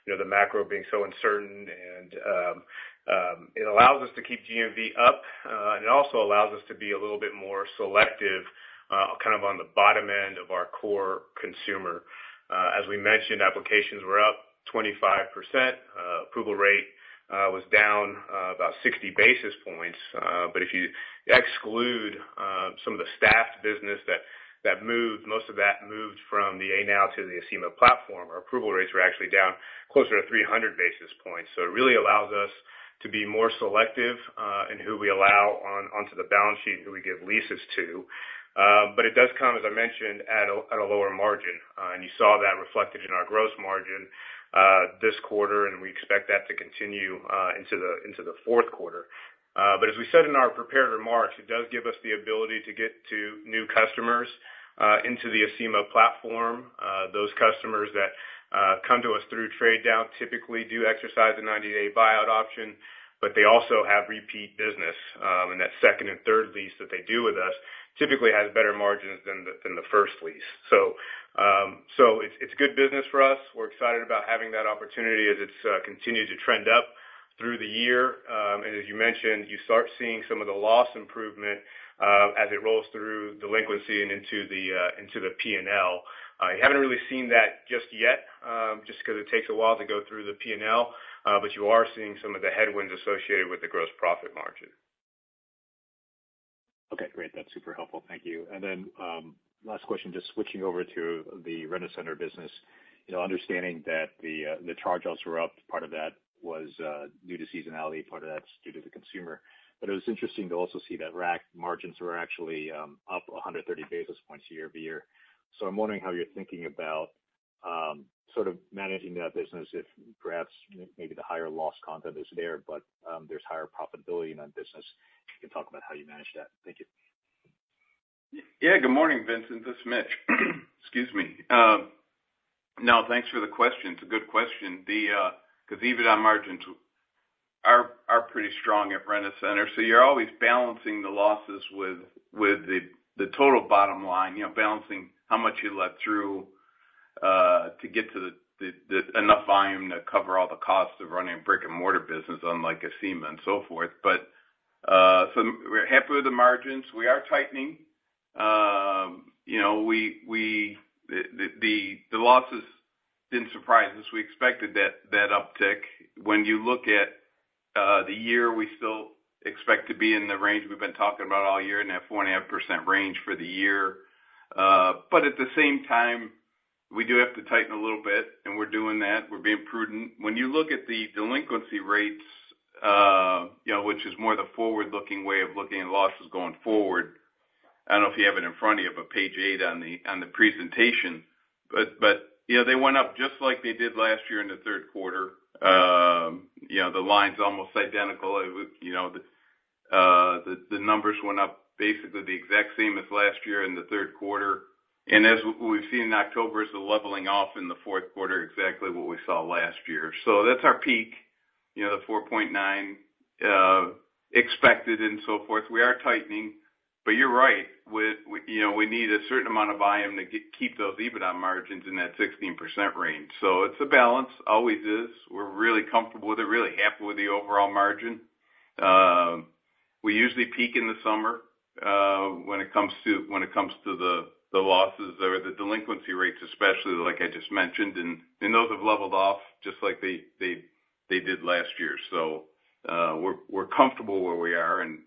S4: the macro being so uncertain, it allows us to keep GMV up, and it also allows us to be a little bit more selective, kind of on the bottom end of our core consumer. As we mentioned, applications were up 25%. Approval rate was down about 60 basis points. But if you exclude some of the staffed business that moved, most of that moved from the ANOW to the Acima platform, our approval rates were actually down closer to 300 basis points. So it really allows us to be more selective in who we allow onto the balance sheet and who we give leases to. But it does come, as I mentioned, at a lower margin. And you saw that reflected in our gross margin this quarter, and we expect that to continue into the fourth quarter. But as we said in our prepared remarks, it does give us the ability to get to new customers into the Acima platform. Those customers that come to us through trade down typically do exercise the 90-day buyout option, but they also have repeat business. And that second and third lease that they do with us typically has better margins than the first lease. So it's good business for us. We're excited about having that opportunity as it's continued to trend up through the year. And as you mentioned, you start seeing some of the loss improvement as it rolls through delinquency and into the P&L. You haven't really seen that just yet, just because it takes a while to go through the P&L, but you are seeing some of the headwinds associated with the gross profit margin.
S5: Okay, great. That's super helpful. Thank you. And then last question, just switching over to the Rent-A-Center business. Understanding that the charge-offs were up, part of that was due to seasonality. Part of that's due to the consumer. But it was interesting to also see that RAC margins were actually up 130 basis points year-over-year. So I'm wondering how you're thinking about sort of managing that business if perhaps maybe the higher loss content is there, but there's higher profitability in that business. You can talk about how you manage that. Thank you.
S3: Yeah, good morning, Vincent. This is Mitch. Excuse me. No, thanks for the question. It's a good question. Because EBITDA margins are pretty strong at Rent-A-Center. So you're always balancing the losses with the total bottom line, balancing how much you let through to get to enough volume to cover all the costs of running a brick-and-mortar business, unlike Acima and so forth. But so we're happy with the margins. We are tightening. The losses didn't surprise us. We expected that uptick. When you look at the year, we still expect to be in the range we've been talking about all year, in that 4.5% range for the year. But at the same time, we do have to tighten a little bit, and we're doing that. We're being prudent. When you look at the delinquency rates, which is more the forward-looking way of looking at losses going forward, I don't know if you have it in front of you, but page eight on the presentation. But they went up just like they did last year in the third quarter. The line's almost identical. The numbers went up basically the exact same as last year in the third quarter. And as we've seen in October, it's a leveling off in the fourth quarter, exactly what we saw last year. So that's our peak, the 4.9 expected and so forth. We are tightening, but you're right. We need a certain amount of volume to keep those EBITDA margins in that 16% range. So it's a balance, always is. We're really comfortable with it, really happy with the overall margin. We usually peak in the summer when it comes to the losses or the delinquency rates, especially like I just mentioned. And those have leveled off just like they did last year. So we're comfortable where we are and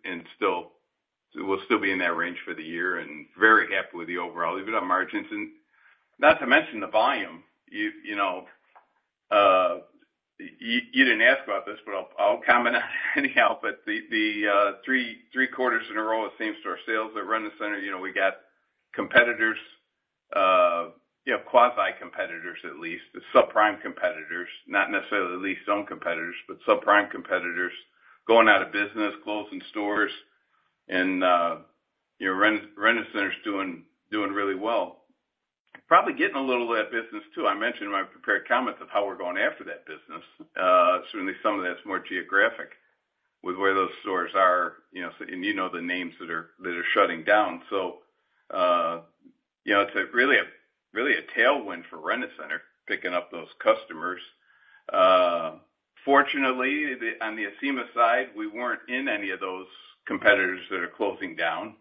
S3: will still be in that range for the year and very happy with the overall EBITDA margins. And not to mention the volume. You didn't ask about this, but I'll comment on it anyhow. But the three quarters in a row of same-store sales at Rent-A-Center, we got competitors, quasi-competitors at least, subprime competitors, not necessarily lease-to-own competitors, but subprime competitors going out of business, closing stores. And Rent-A-Center is doing really well. Probably getting a little of that business too. I mentioned in my prepared comment of how we're going after that business. Certainly, some of that's more geographic with where those stores are. And you know the names that are shutting down. So it's really a tailwind for Rent-A-Center, picking up those customers. Fortunately, on the Acima side, we weren't in any of those competitors that are closing down.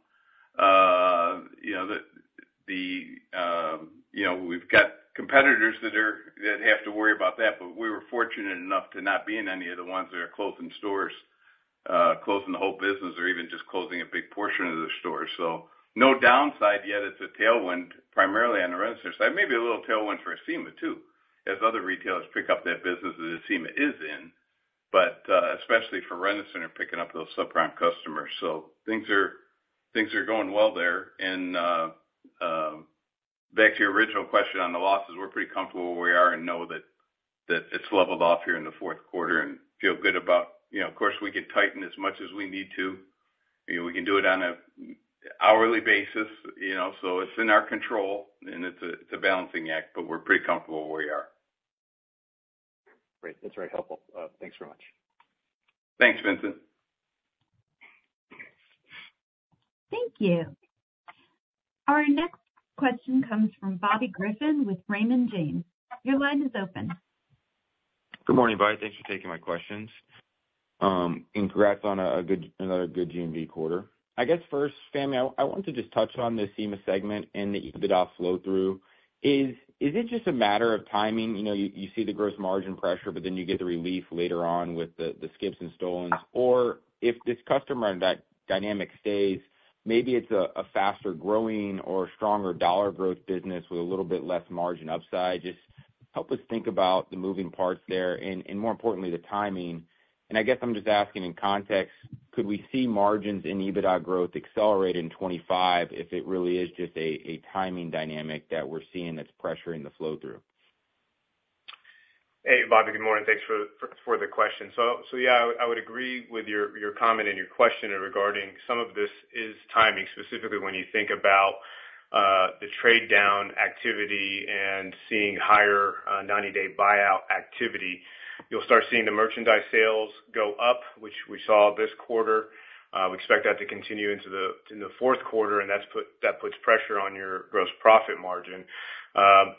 S3: We've got competitors that have to worry about that, but we were fortunate enough to not be in any of the ones that are closing stores, closing the whole business, or even just closing a big portion of the stores, so no downside yet. It's a tailwind, primarily on the Rent-A-Center side. Maybe a little tailwind for Acima too, as other retailers pick up that business that Acima is in, but especially for Rent-A-Center, picking up those subprime customers, so things are going well there, and back to your original question on the losses, we're pretty comfortable where we are and know that it's leveled off here in the fourth quarter and feel good about, of course, we can tighten as much as we need to. We can do it on an hourly basis. So it's in our control, and it's a balancing act, but we're pretty comfortable where we are.
S5: Great. That's very helpful. Thanks very much.
S3: Thanks, Vincent.
S1: Thank you. Our next question comes from Bobby Griffin with Raymond James. Your line is open.
S6: Good morning, Bobby. Thanks for taking my questions. Congrats on another good GMV quarter. I guess first, Fahmi, I wanted to just touch on the Acima segment and the EBITDA flow-through. Is it just a matter of timing? You see the gross margin pressure, but then you get the relief later on with the skips and stolens or if this customer dynamic stays, maybe it's a faster growing or stronger dollar growth business with a little bit less margin upside. Just help us think about the moving parts there and, more importantly, the timing. I guess I'm just asking in context, could we see margins in EBITDA growth accelerate in 2025 if it really is just a timing dynamic that we're seeing that's pressuring the flow-through?
S4: Hey, Bobby, good morning. Thanks for the question. So yeah, I would agree with your comment and your question regarding some of this is timing, specifically when you think about the trade down activity and seeing higher 90-day buyout activity. You'll start seeing the merchandise sales go up, which we saw this quarter. We expect that to continue into the fourth quarter, and that puts pressure on your gross profit margin.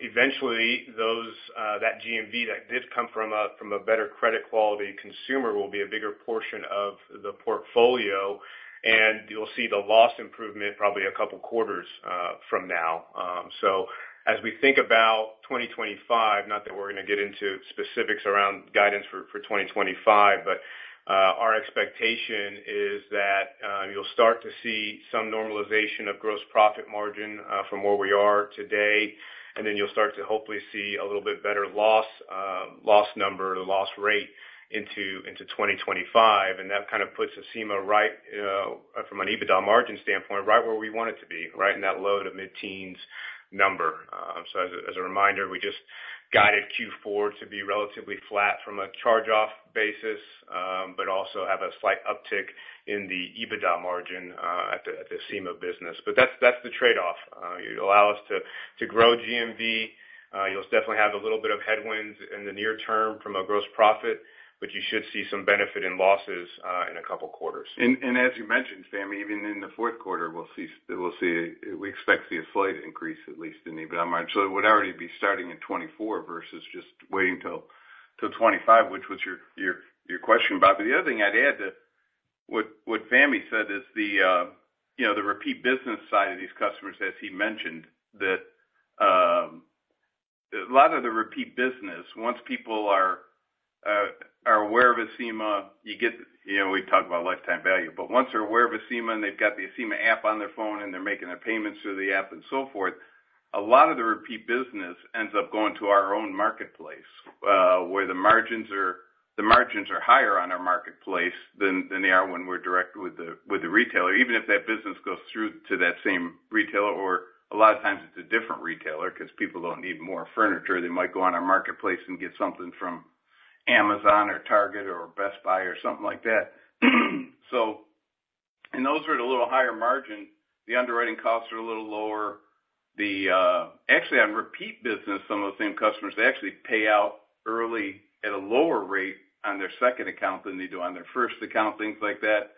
S4: Eventually, that GMV that did come from a better credit quality consumer will be a bigger portion of the portfolio, and you'll see the loss improvement probably a couple of quarters from now. As we think about 2025, not that we're going to get into specifics around guidance for 2025, but our expectation is that you'll start to see some normalization of gross profit margin from where we are today. And then you'll start to hopefully see a little bit better loss number, the loss rate into 2025. And that kind of puts Acima right from an EBITDA margin standpoint, right where we want it to be, right in that low to mid-teens number. As a reminder, we just guided Q4 to be relatively flat from a charge-off basis, but also have a slight uptick in the EBITDA margin at the Acima business. But that's the trade-off. It allows us to grow GMV. You'll definitely have a little bit of headwinds in the near-term from a gross profit, but you should see some benefit in losses in a couple of quarters.
S3: And as you mentioned, Fahmi, even in the fourth quarter, we expect to see a slight increase, at least in the EBITDA margin, so it would already be starting in 2024 versus just waiting till 2025, which was your question, Bobby. The other thing I'd add to what Fahmi said is the repeat business side of these customers, as he mentioned, that a lot of the repeat business, once people are aware of Acima, you get we talk about lifetime value. But once they're aware of Acima and they've got the Acima app on their phone and they're making their payments through the app and so forth, a lot of the repeat business ends up going to our own marketplace where the margins are higher on our marketplace than they are when we're direct with the retailer, even if that business goes through to that same retailer, or a lot of times it's a different retailer because people don't need more furniture. They might go on our marketplace and get something from Amazon or Target or Best Buy or something like that. So in those with a little higher margin, the underwriting costs are a little lower. Actually, on repeat business, some of those same customers, they actually pay out early at a lower rate on their second account than they do on their first account, things like that.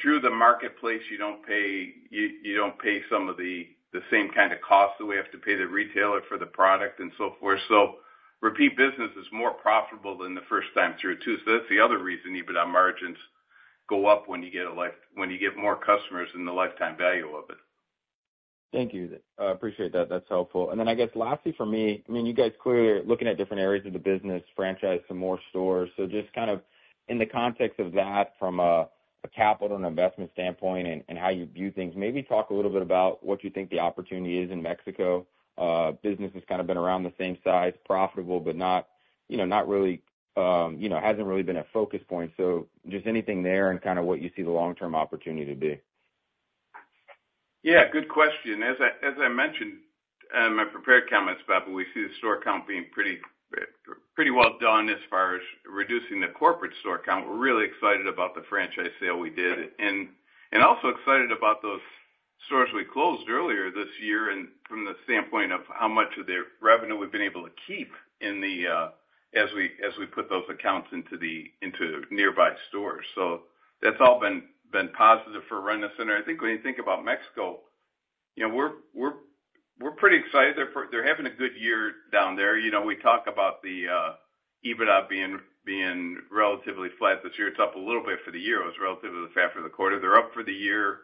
S3: Through the marketplace, you don't pay some of the same kind of costs that we have to pay the retailer for the product and so forth. So repeat business is more profitable than the first time through too. So that's the other reason EBITDA margins go up when you get more customers and the lifetime value of it.
S6: Thank you. I appreciate that. That's helpful. And then I guess lastly for me, I mean, you guys clearly are looking at different areas of the business, franchise, some more stores. So just kind of in the context of that, from a capital and investment standpoint and how you view things, maybe talk a little bit about what you think the opportunity is in Mexico. Business has kind of been around the same size, profitable, but not really been a focus point. So just anything there and kind of what you see the long-term opportunity to be.
S3: Yeah, good question. As I mentioned in my prepared comments, Bobby, we see the store count being pretty well done as far as reducing the corporate store count. We're really excited about the franchise sale we did and also excited about those stores we closed earlier this year from the standpoint of how much of the revenue we've been able to keep as we put those accounts into nearby stores. So that's all been positive for Rent-A-Center. And I think when you think about Mexico, we're pretty excited. They're having a good year down there. We talk about the EBITDA being relatively flat this year. It's up a little bit for the year. It was relatively flat for the quarter. They're up for the year.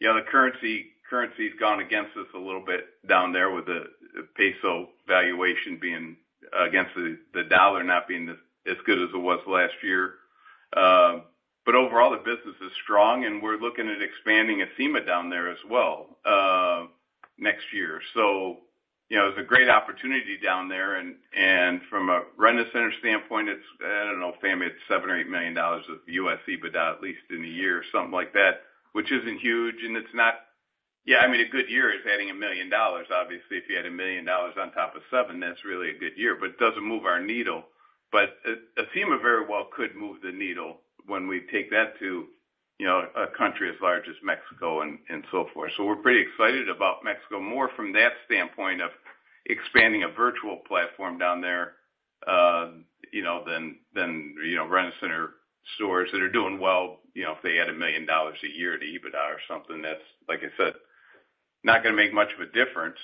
S3: The currency's gone against us a little bit down there with the peso valuation being against the dollar not being as good as it was last year, but overall, the business is strong, and we're looking at expanding Acima down there as well next year, so it's a great opportunity down there. From a Rent-A-Center standpoint, I don't know, Fahmi, it's seven or eight million dollars of U.S. EBITDA, at least in a year, something like that, which isn't huge. Yeah, I mean, a good year is adding $1 million dollars. Obviously, if you add $1 million dollars on top of $1 million, that's really a good year, but it doesn't move our needle, but Acima very well could move the needle when we take that to a country as large as Mexico and so forth. We're pretty excited about Mexico more from that standpoint of expanding a virtual platform down there than Rent-A-Center stores that are doing well. If they add $1 million a year to EBITDA or something, that's, like I said, not going to make much of a difference,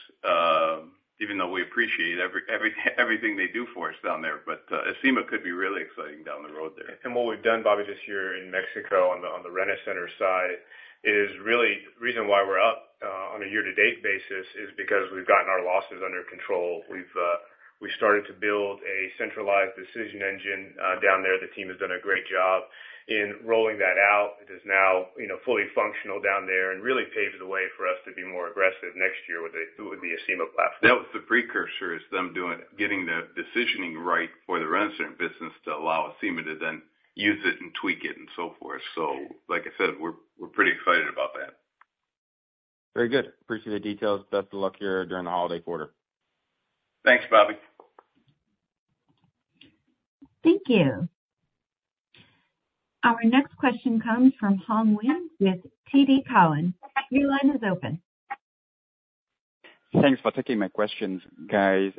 S3: even though we appreciate everything they do for us down there. But Acima could be really exciting down the road there. And what we've done, Bobby, this year in Mexico on the Rent-A-Center side, is really the reason why we're up on a year-to-date basis is because we've gotten our losses under control. We've started to build a centralized decision engine down there. The team has done a great job in rolling that out. It is now fully functional down there and really paves the way for us to be more aggressive next year with the Acima platform. That was the precursor to them getting the decisioning right for the Rent-A-Center business to allow Acima to then use it and tweak it and so forth. So like I said, we're pretty excited about that.
S6: Very good. Appreciate the details. Best of luck here during the holiday quarter.
S3: Thanks, Bobby.
S1: Thank you. Our next question comes from Hoang Nguyen with TD Cowen. Your line is open.
S7: Thanks for taking my questions, guys.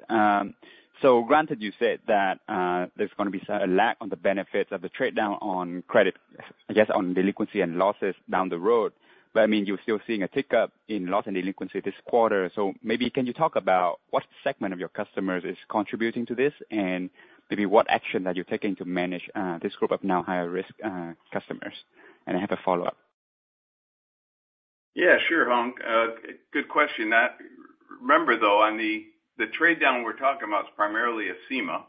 S7: So granted, you said that there's going to be a lack on the benefits of the trade down on credit, I guess, on delinquency and losses down the road. But I mean, you're still seeing a tick up in loss and delinquency this quarter. So maybe can you talk about what segment of your customers is contributing to this and maybe what action that you're taking to manage this group of now higher-risk customers? I have a follow-up.
S3: Yeah, sure, Hoang. Good question. Remember, though, the trade down we're talking about is primarily Acima.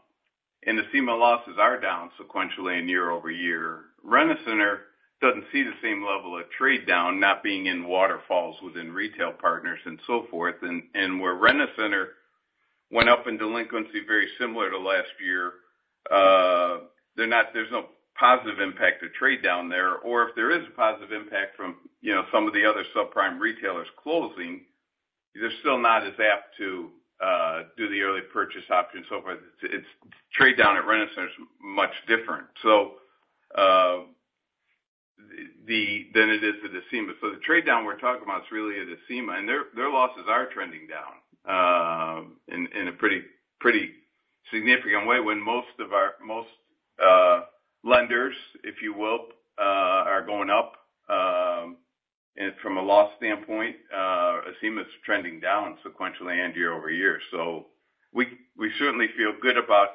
S3: And Acima losses are down sequentially in year-over-year. Rent-A-Center doesn't see the same level of trade down, not being in waterfalls within retail partners and so forth. And where Rent-A-Center went up in delinquency very similar to last year, there's no positive impact of trade down there. Or if there is a positive impact from some of the other subprime retailers closing, they're still not as apt to do the early purchase option and so forth. Trade down at Rent-A-Center is much different than it is at Acima. So the trade down we're talking about is really at Acima. And their losses are trending down in a pretty significant way when most of our lenders, if you will, are going up. From a loss standpoint, Acima is trending down sequentially and year-over-year. So we certainly feel good about,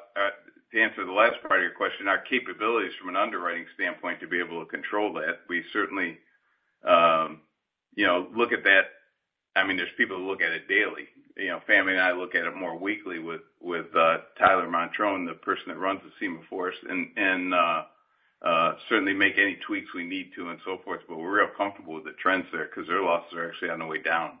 S3: to answer the last part of your question, our capabilities from an underwriting standpoint to be able to control that. We certainly look at that. I mean, there's people who look at it daily. Fahmi and I look at it more weekly with Tyler Montrone, the person that runs Acima for us, and certainly make any tweaks we need to and so forth. But we're real comfortable with the trends there because their losses are actually on the way down.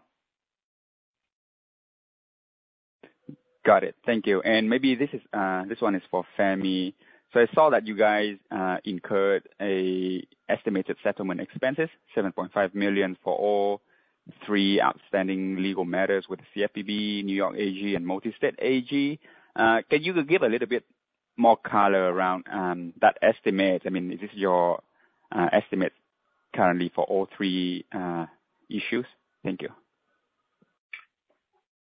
S7: Got it. Thank you. Maybe this one is for Fahmi. So I saw that you guys incurred an estimated settlement expenses, $7.5 million for all three outstanding legal matters with the CFPB, New York AG, Multistate AG. Can you give a little bit more color around that estimate? I mean, is this your estimate currently for all three issues? Thank you.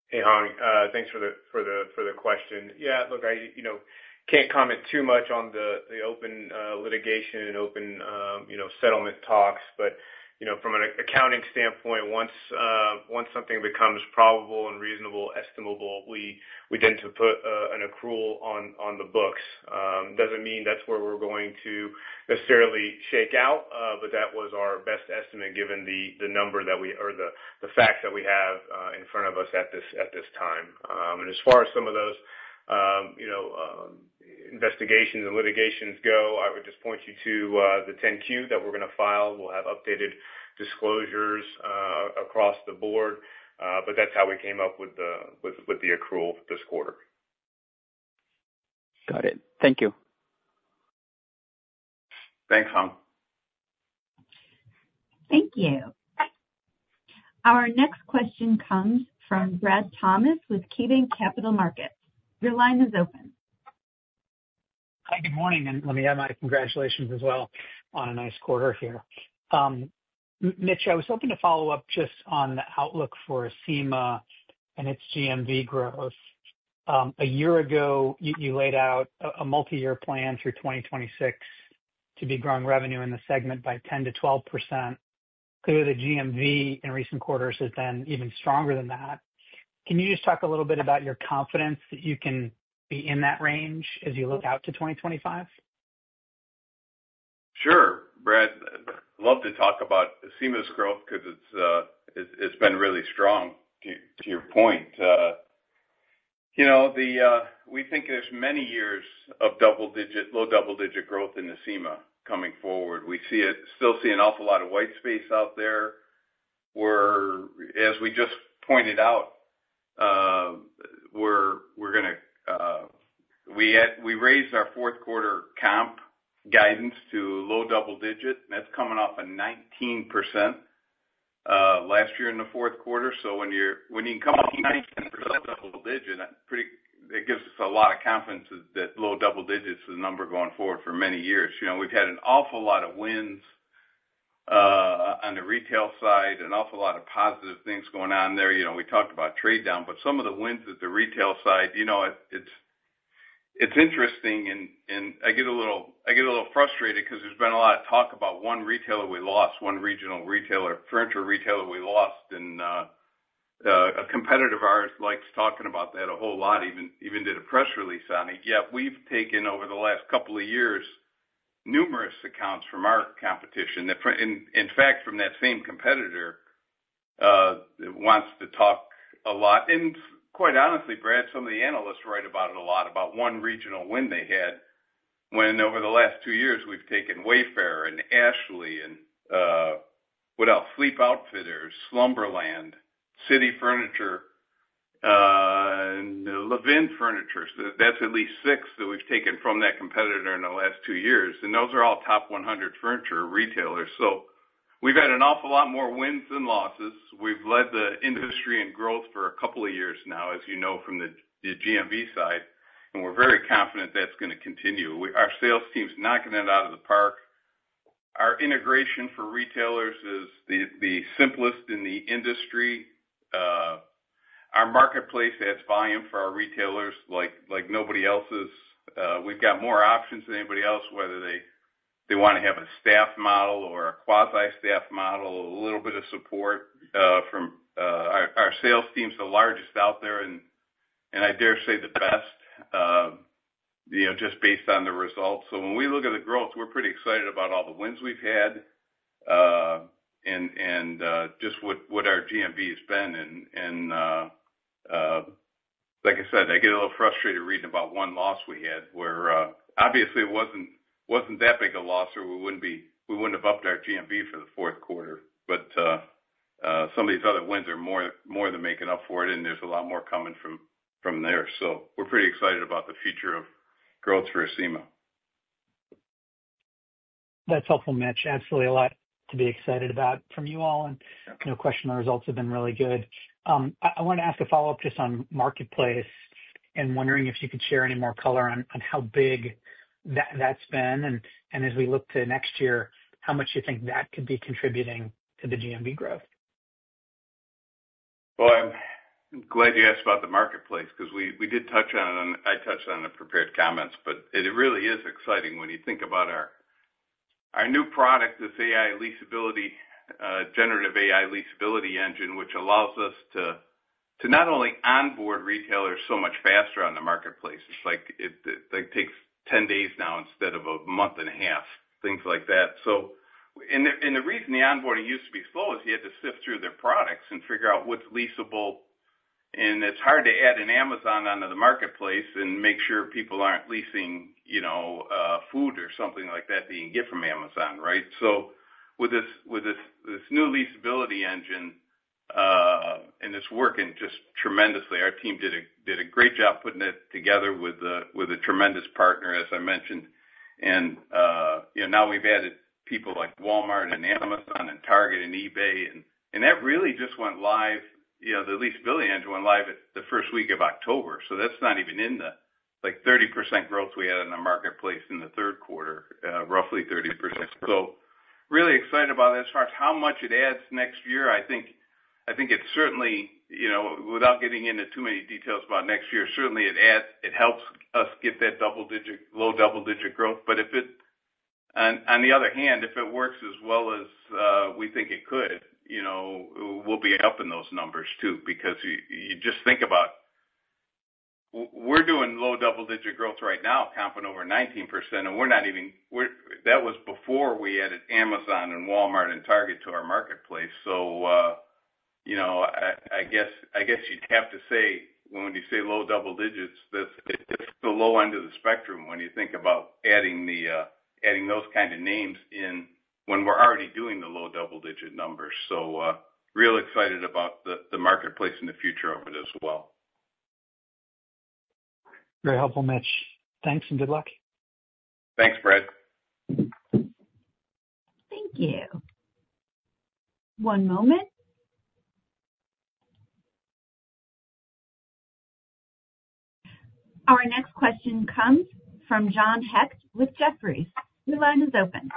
S7: Hey, Hoang. Thanks for the question. Yeah, look, I can't comment too much on the open litigation and open settlement talks. But from an accounting standpoint, once something becomes probable and reasonable, estimable, we tend to put an accrual on the books. Doesn't mean that's where we're going to necessarily shake out, but that was our best estimate given the number that we or the facts that we have in front of us at this time. And as far as some of those investigations and litigations go, I would just point you to the 10-Q that we're going to file. We'll have updated disclosures across the board. But that's how we came up with the accrual this quarter. Got it. Thank you.
S4: Thanks, Hoang.
S1: Thank you. Our next question comes from Brad Thomas with KeyBanc Capital Markets. Your line is open.
S8: Hi, good morning, and let me add my congratulations as well on a nice quarter here. Mitch, I was hoping to follow up just on the outlook for Acima and its GMV growth. A year ago, you laid out a multi-year plan through 2026 to be growing revenue in the segment by 10%-12%. Clearly, the GMV in recent quarters has been even stronger than that. Can you just talk a little bit about your confidence that you can be in that range as you look out to 2025?
S3: Sure. Brad, I'd love to talk about Acima's growth because it's been really strong to your point. We think there's many years of low double-digit growth in Acima coming forward. We still see an awful lot of white space out there. As we just pointed out, we raised our fourth quarter comp guidance to low double-digit, and that's coming off a 19% last year in the fourth quarter. So when you come up to 19% low double-digit, it gives us a lot of confidence that low double-digit is the number going forward for many years. We've had an awful lot of wins on the retail side, an awful lot of positive things going on there. We talked about trade down, but some of the wins at the retail side, it's interesting. And I get a little frustrated because there's been a lot of talk about one retailer we lost, one regional retailer, furniture retailer we lost. And a competitor of ours likes talking about that a whole lot, even did a press release on it. Yet, we've taken over the last couple of years numerous accounts from our competition. In fact, from that same competitor that wants to talk a lot. And quite honestly, Brad, some of the analysts write about it a lot, about one regional win they had when over the last two years we've taken Wayfair and Ashley and, what else, Sleep Outfitters, Slumberland, City Furniture, and Levin Furniture. That's at least six that we've taken from that competitor in the last two years. And those are all top 100 furniture retailers. So we've had an awful lot more wins than losses. We've led the industry in growth for a couple of years now, as you know, from the GMV side. And we're very confident that's going to continue. Our sales team's knocking it out of the park. Our integration for retailers is the simplest in the industry. Our marketplace adds volume for our retailers like nobody else's. We've got more options than anybody else, whether they want to have a staff model or a quasi-staff model, a little bit of support from our sales team is the largest out there, and I dare say the best, just based on the results. So when we look at the growth, we're pretty excited about all the wins we've had and just what our GMV has been. And like I said, I get a little frustrated reading about one loss we had where, obviously, it wasn't that big a loss or we wouldn't have upped our GMV for the fourth quarter. But some of these other wins are more than making up for it, and there's a lot more coming from there. So we're pretty excited about the future of growth for Acima.
S8: That's helpful, Mitch. Absolutely a lot to be excited about from you all, and no question, our results have been really good. I wanted to ask a follow-up just on marketplace and wondering if you could share any more color on how big that's been, and as we look to next year, how much you think that could be contributing to the GMV growth.
S3: Well, I'm glad you asked about the marketplace because we did touch on it, and I touched on it in prepared comments. But it really is exciting when you think about our new product, this AI leasability, generative AI leasability engine, which allows us to not only onboard retailers so much faster on the marketplace. It's like it takes 10 days now instead of a month and a half, things like that. And the reason the onboarding used to be slow is you had to sift through their products and figure out what's leasable. And it's hard to add an Amazon onto the marketplace and make sure people aren't leasing food or something like that that you can get from Amazon, right? So with this new leasability engine, and it's working just tremendously, our team did a great job putting it together with a tremendous partner, as I mentioned. And now we've added people like Walmart and Amazon and Target and eBay. And that really just went live. The leasability engine went live the first week of October. So that's not even in the 30% growth we had in the marketplace in the third quarter, roughly 30%. So really excited about it as far as how much it adds next year. I think it certainly, without getting into too many details about next year, certainly it helps us get that low double-digit growth. But on the other hand, if it works as well as we think it could, we'll be up in those numbers too because you just think about we're doing low double-digit growth right now, comping over 19%. And we're not even that was before we added Amazon and Walmart and Target to our marketplace. So I guess you'd have to say, when you say low double digits, it's the low end of the spectrum when you think about adding those kind of names when we're already doing the low double-digit numbers. So real excited about the marketplace and the future of it as well.
S8: Very helpful, Mitch. Thanks and good luck.
S3: Thanks, Brad.
S1: Thank you. One moment. Our next question comes from John Hecht with Jefferies. Your line is open.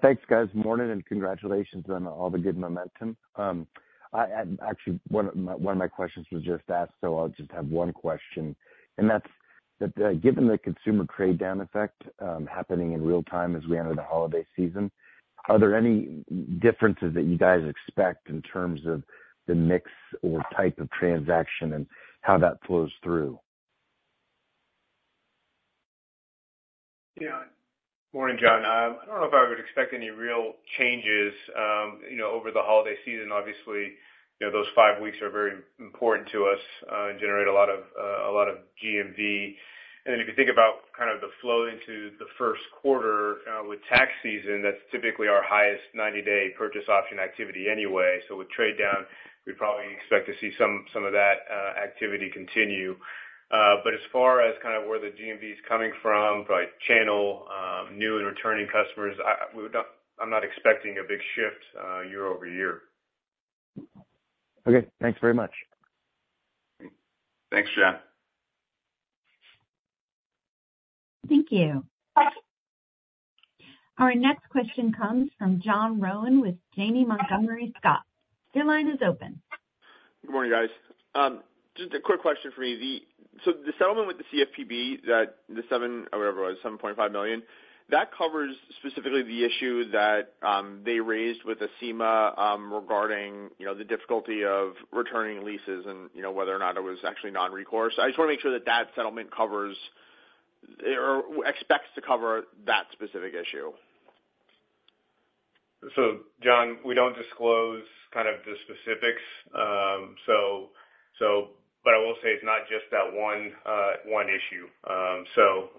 S9: Thanks, guys. Morning and congratulations on all the good momentum. Actually, one of my questions was just asked, so I'll just have one question, and that's that given the consumer trade down effect happening in real time as we enter the holiday season, are there any differences that you guys expect in terms of the mix or type of transaction and how that flows through?
S3: Yeah. Morning, John. I don't know if I would expect any real changes. Over the holiday season, obviously, those five weeks are very important to us and generate a lot of GMV, and then if you think about kind of the flow into the first quarter with tax season, that's typically our highest 90-day purchase option activity anyway, so with trade down, we'd probably expect to see some of that activity continue. But as far as kind of where the GMV is coming from, probably channel, new and returning customers, I'm not expecting a big shift year-over-year.
S9: Okay. Thanks very much.
S3: Thanks, John.
S1: Thank you. Our next question comes from John Rowan with Janney Montgomery Scott. Your line is open.
S10: Good morning, guys. Just a quick question for me. So the settlement with the CFPB, whatever it was, $7.5 million, that covers specifically the issue that they raised with Acima regarding the difficulty of returning leases and whether or not it was actually non-recourse. I just want to make sure that that settlement covers or expects to cover that specific issue.
S3: So, John, we don't disclose kind of the specifics. But I will say it's not just that one issue. So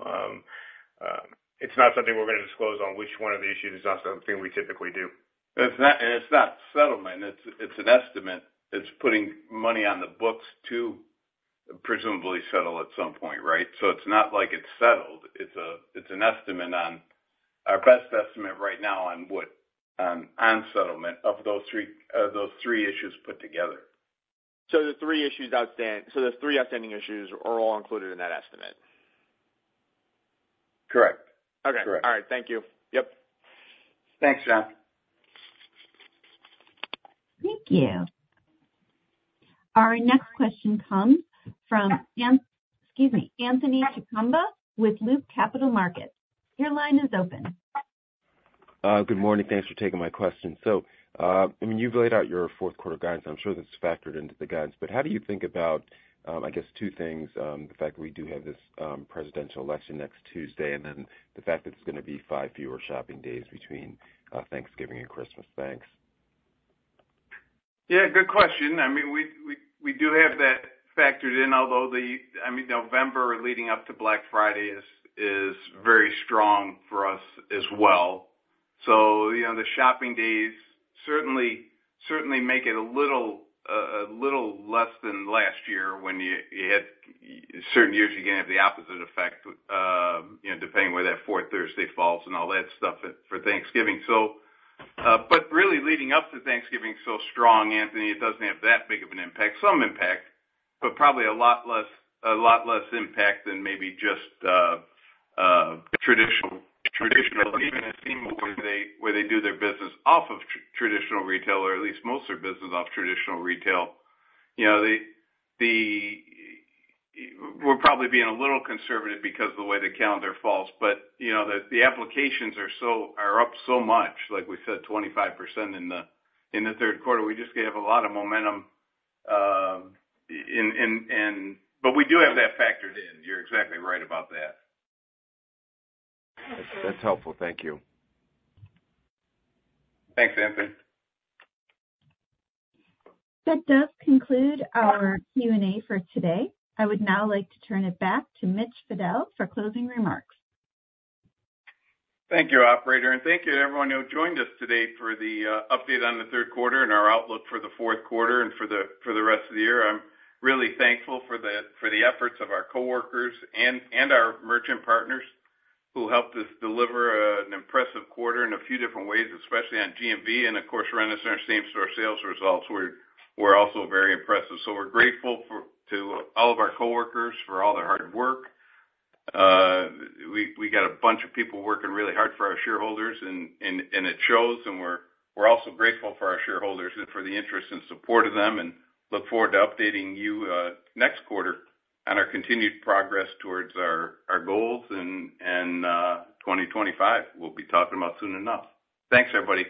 S3: it's not something we're going to disclose on which one of the issues.
S4: It's not something we typically do. It's not settlement. It's an estimate. It's putting money on the books to presumably settle at some point, right? So it's not like it's settled. It's an estimate on our best estimate right now on settlement of those three issues put together.
S10: So the three issues outstand so the three outstanding issues are all included in that estimate?
S3: Correct. Correct.
S10: All right. Thank you. Yep.
S3: Thanks, John.
S1: Thank you. Our next question comes from, excuse me, Anthony Chukumba with Loop Capital Markets. Your line is open.
S11: Good morning. Thanks for taking my question. So, I mean, you've laid out your fourth quarter guidance. I'm sure that's factored into the guidance. But how do you think about, I guess, two things: the fact that we do have this presidential election next Tuesday, and then the fact that it's going to be five fewer shopping days between Thanksgiving and Christmas? Thanks.
S3: Yeah. Good question. I mean, we do have that factored in, although the, I mean, November leading up to Black Friday is very strong for us as well. The shopping days certainly make it a little less than last year when you had certain years you can have the opposite effect depending where that fourth Thursday falls and all that stuff for Thanksgiving. Really, leading up to Thanksgiving so strong, Anthony, it doesn't have that big of an impact. Some impact, but probably a lot less impact than maybe just traditional, even Acima, where they do their business off of traditional retail, or at least most of their business off traditional retail. We're probably being a little conservative because of the way the calendar falls. But the applications are up so much, like we said, 25% in the third quarter. We just have a lot of momentum. But we do have that factored in. You're exactly right about that.
S11: That's helpful. Thank you.
S3: Thanks, Anthony.
S1: That does conclude our Q&A for today. I would now like to turn it back to Mitch Fadel for closing remarks.
S3: Thank you, operator. And thank you to everyone who joined us today for the update on the third quarter and our outlook for the fourth quarter and for the rest of the year. I'm really thankful for the efforts of our coworkers and our merchant partners who helped us deliver an impressive quarter in a few different ways, especially on GMV. And of course, running our same-store sales results were also very impressive. So we're grateful to all of our coworkers for all their hard work. We got a bunch of people working really hard for our shareholders, and it shows. And we're also grateful for our shareholders and for the interest and support of them, and look forward to updating you next quarter on our continued progress towards our goals in 2025. We'll be talking about soon enough. Thanks, everybody.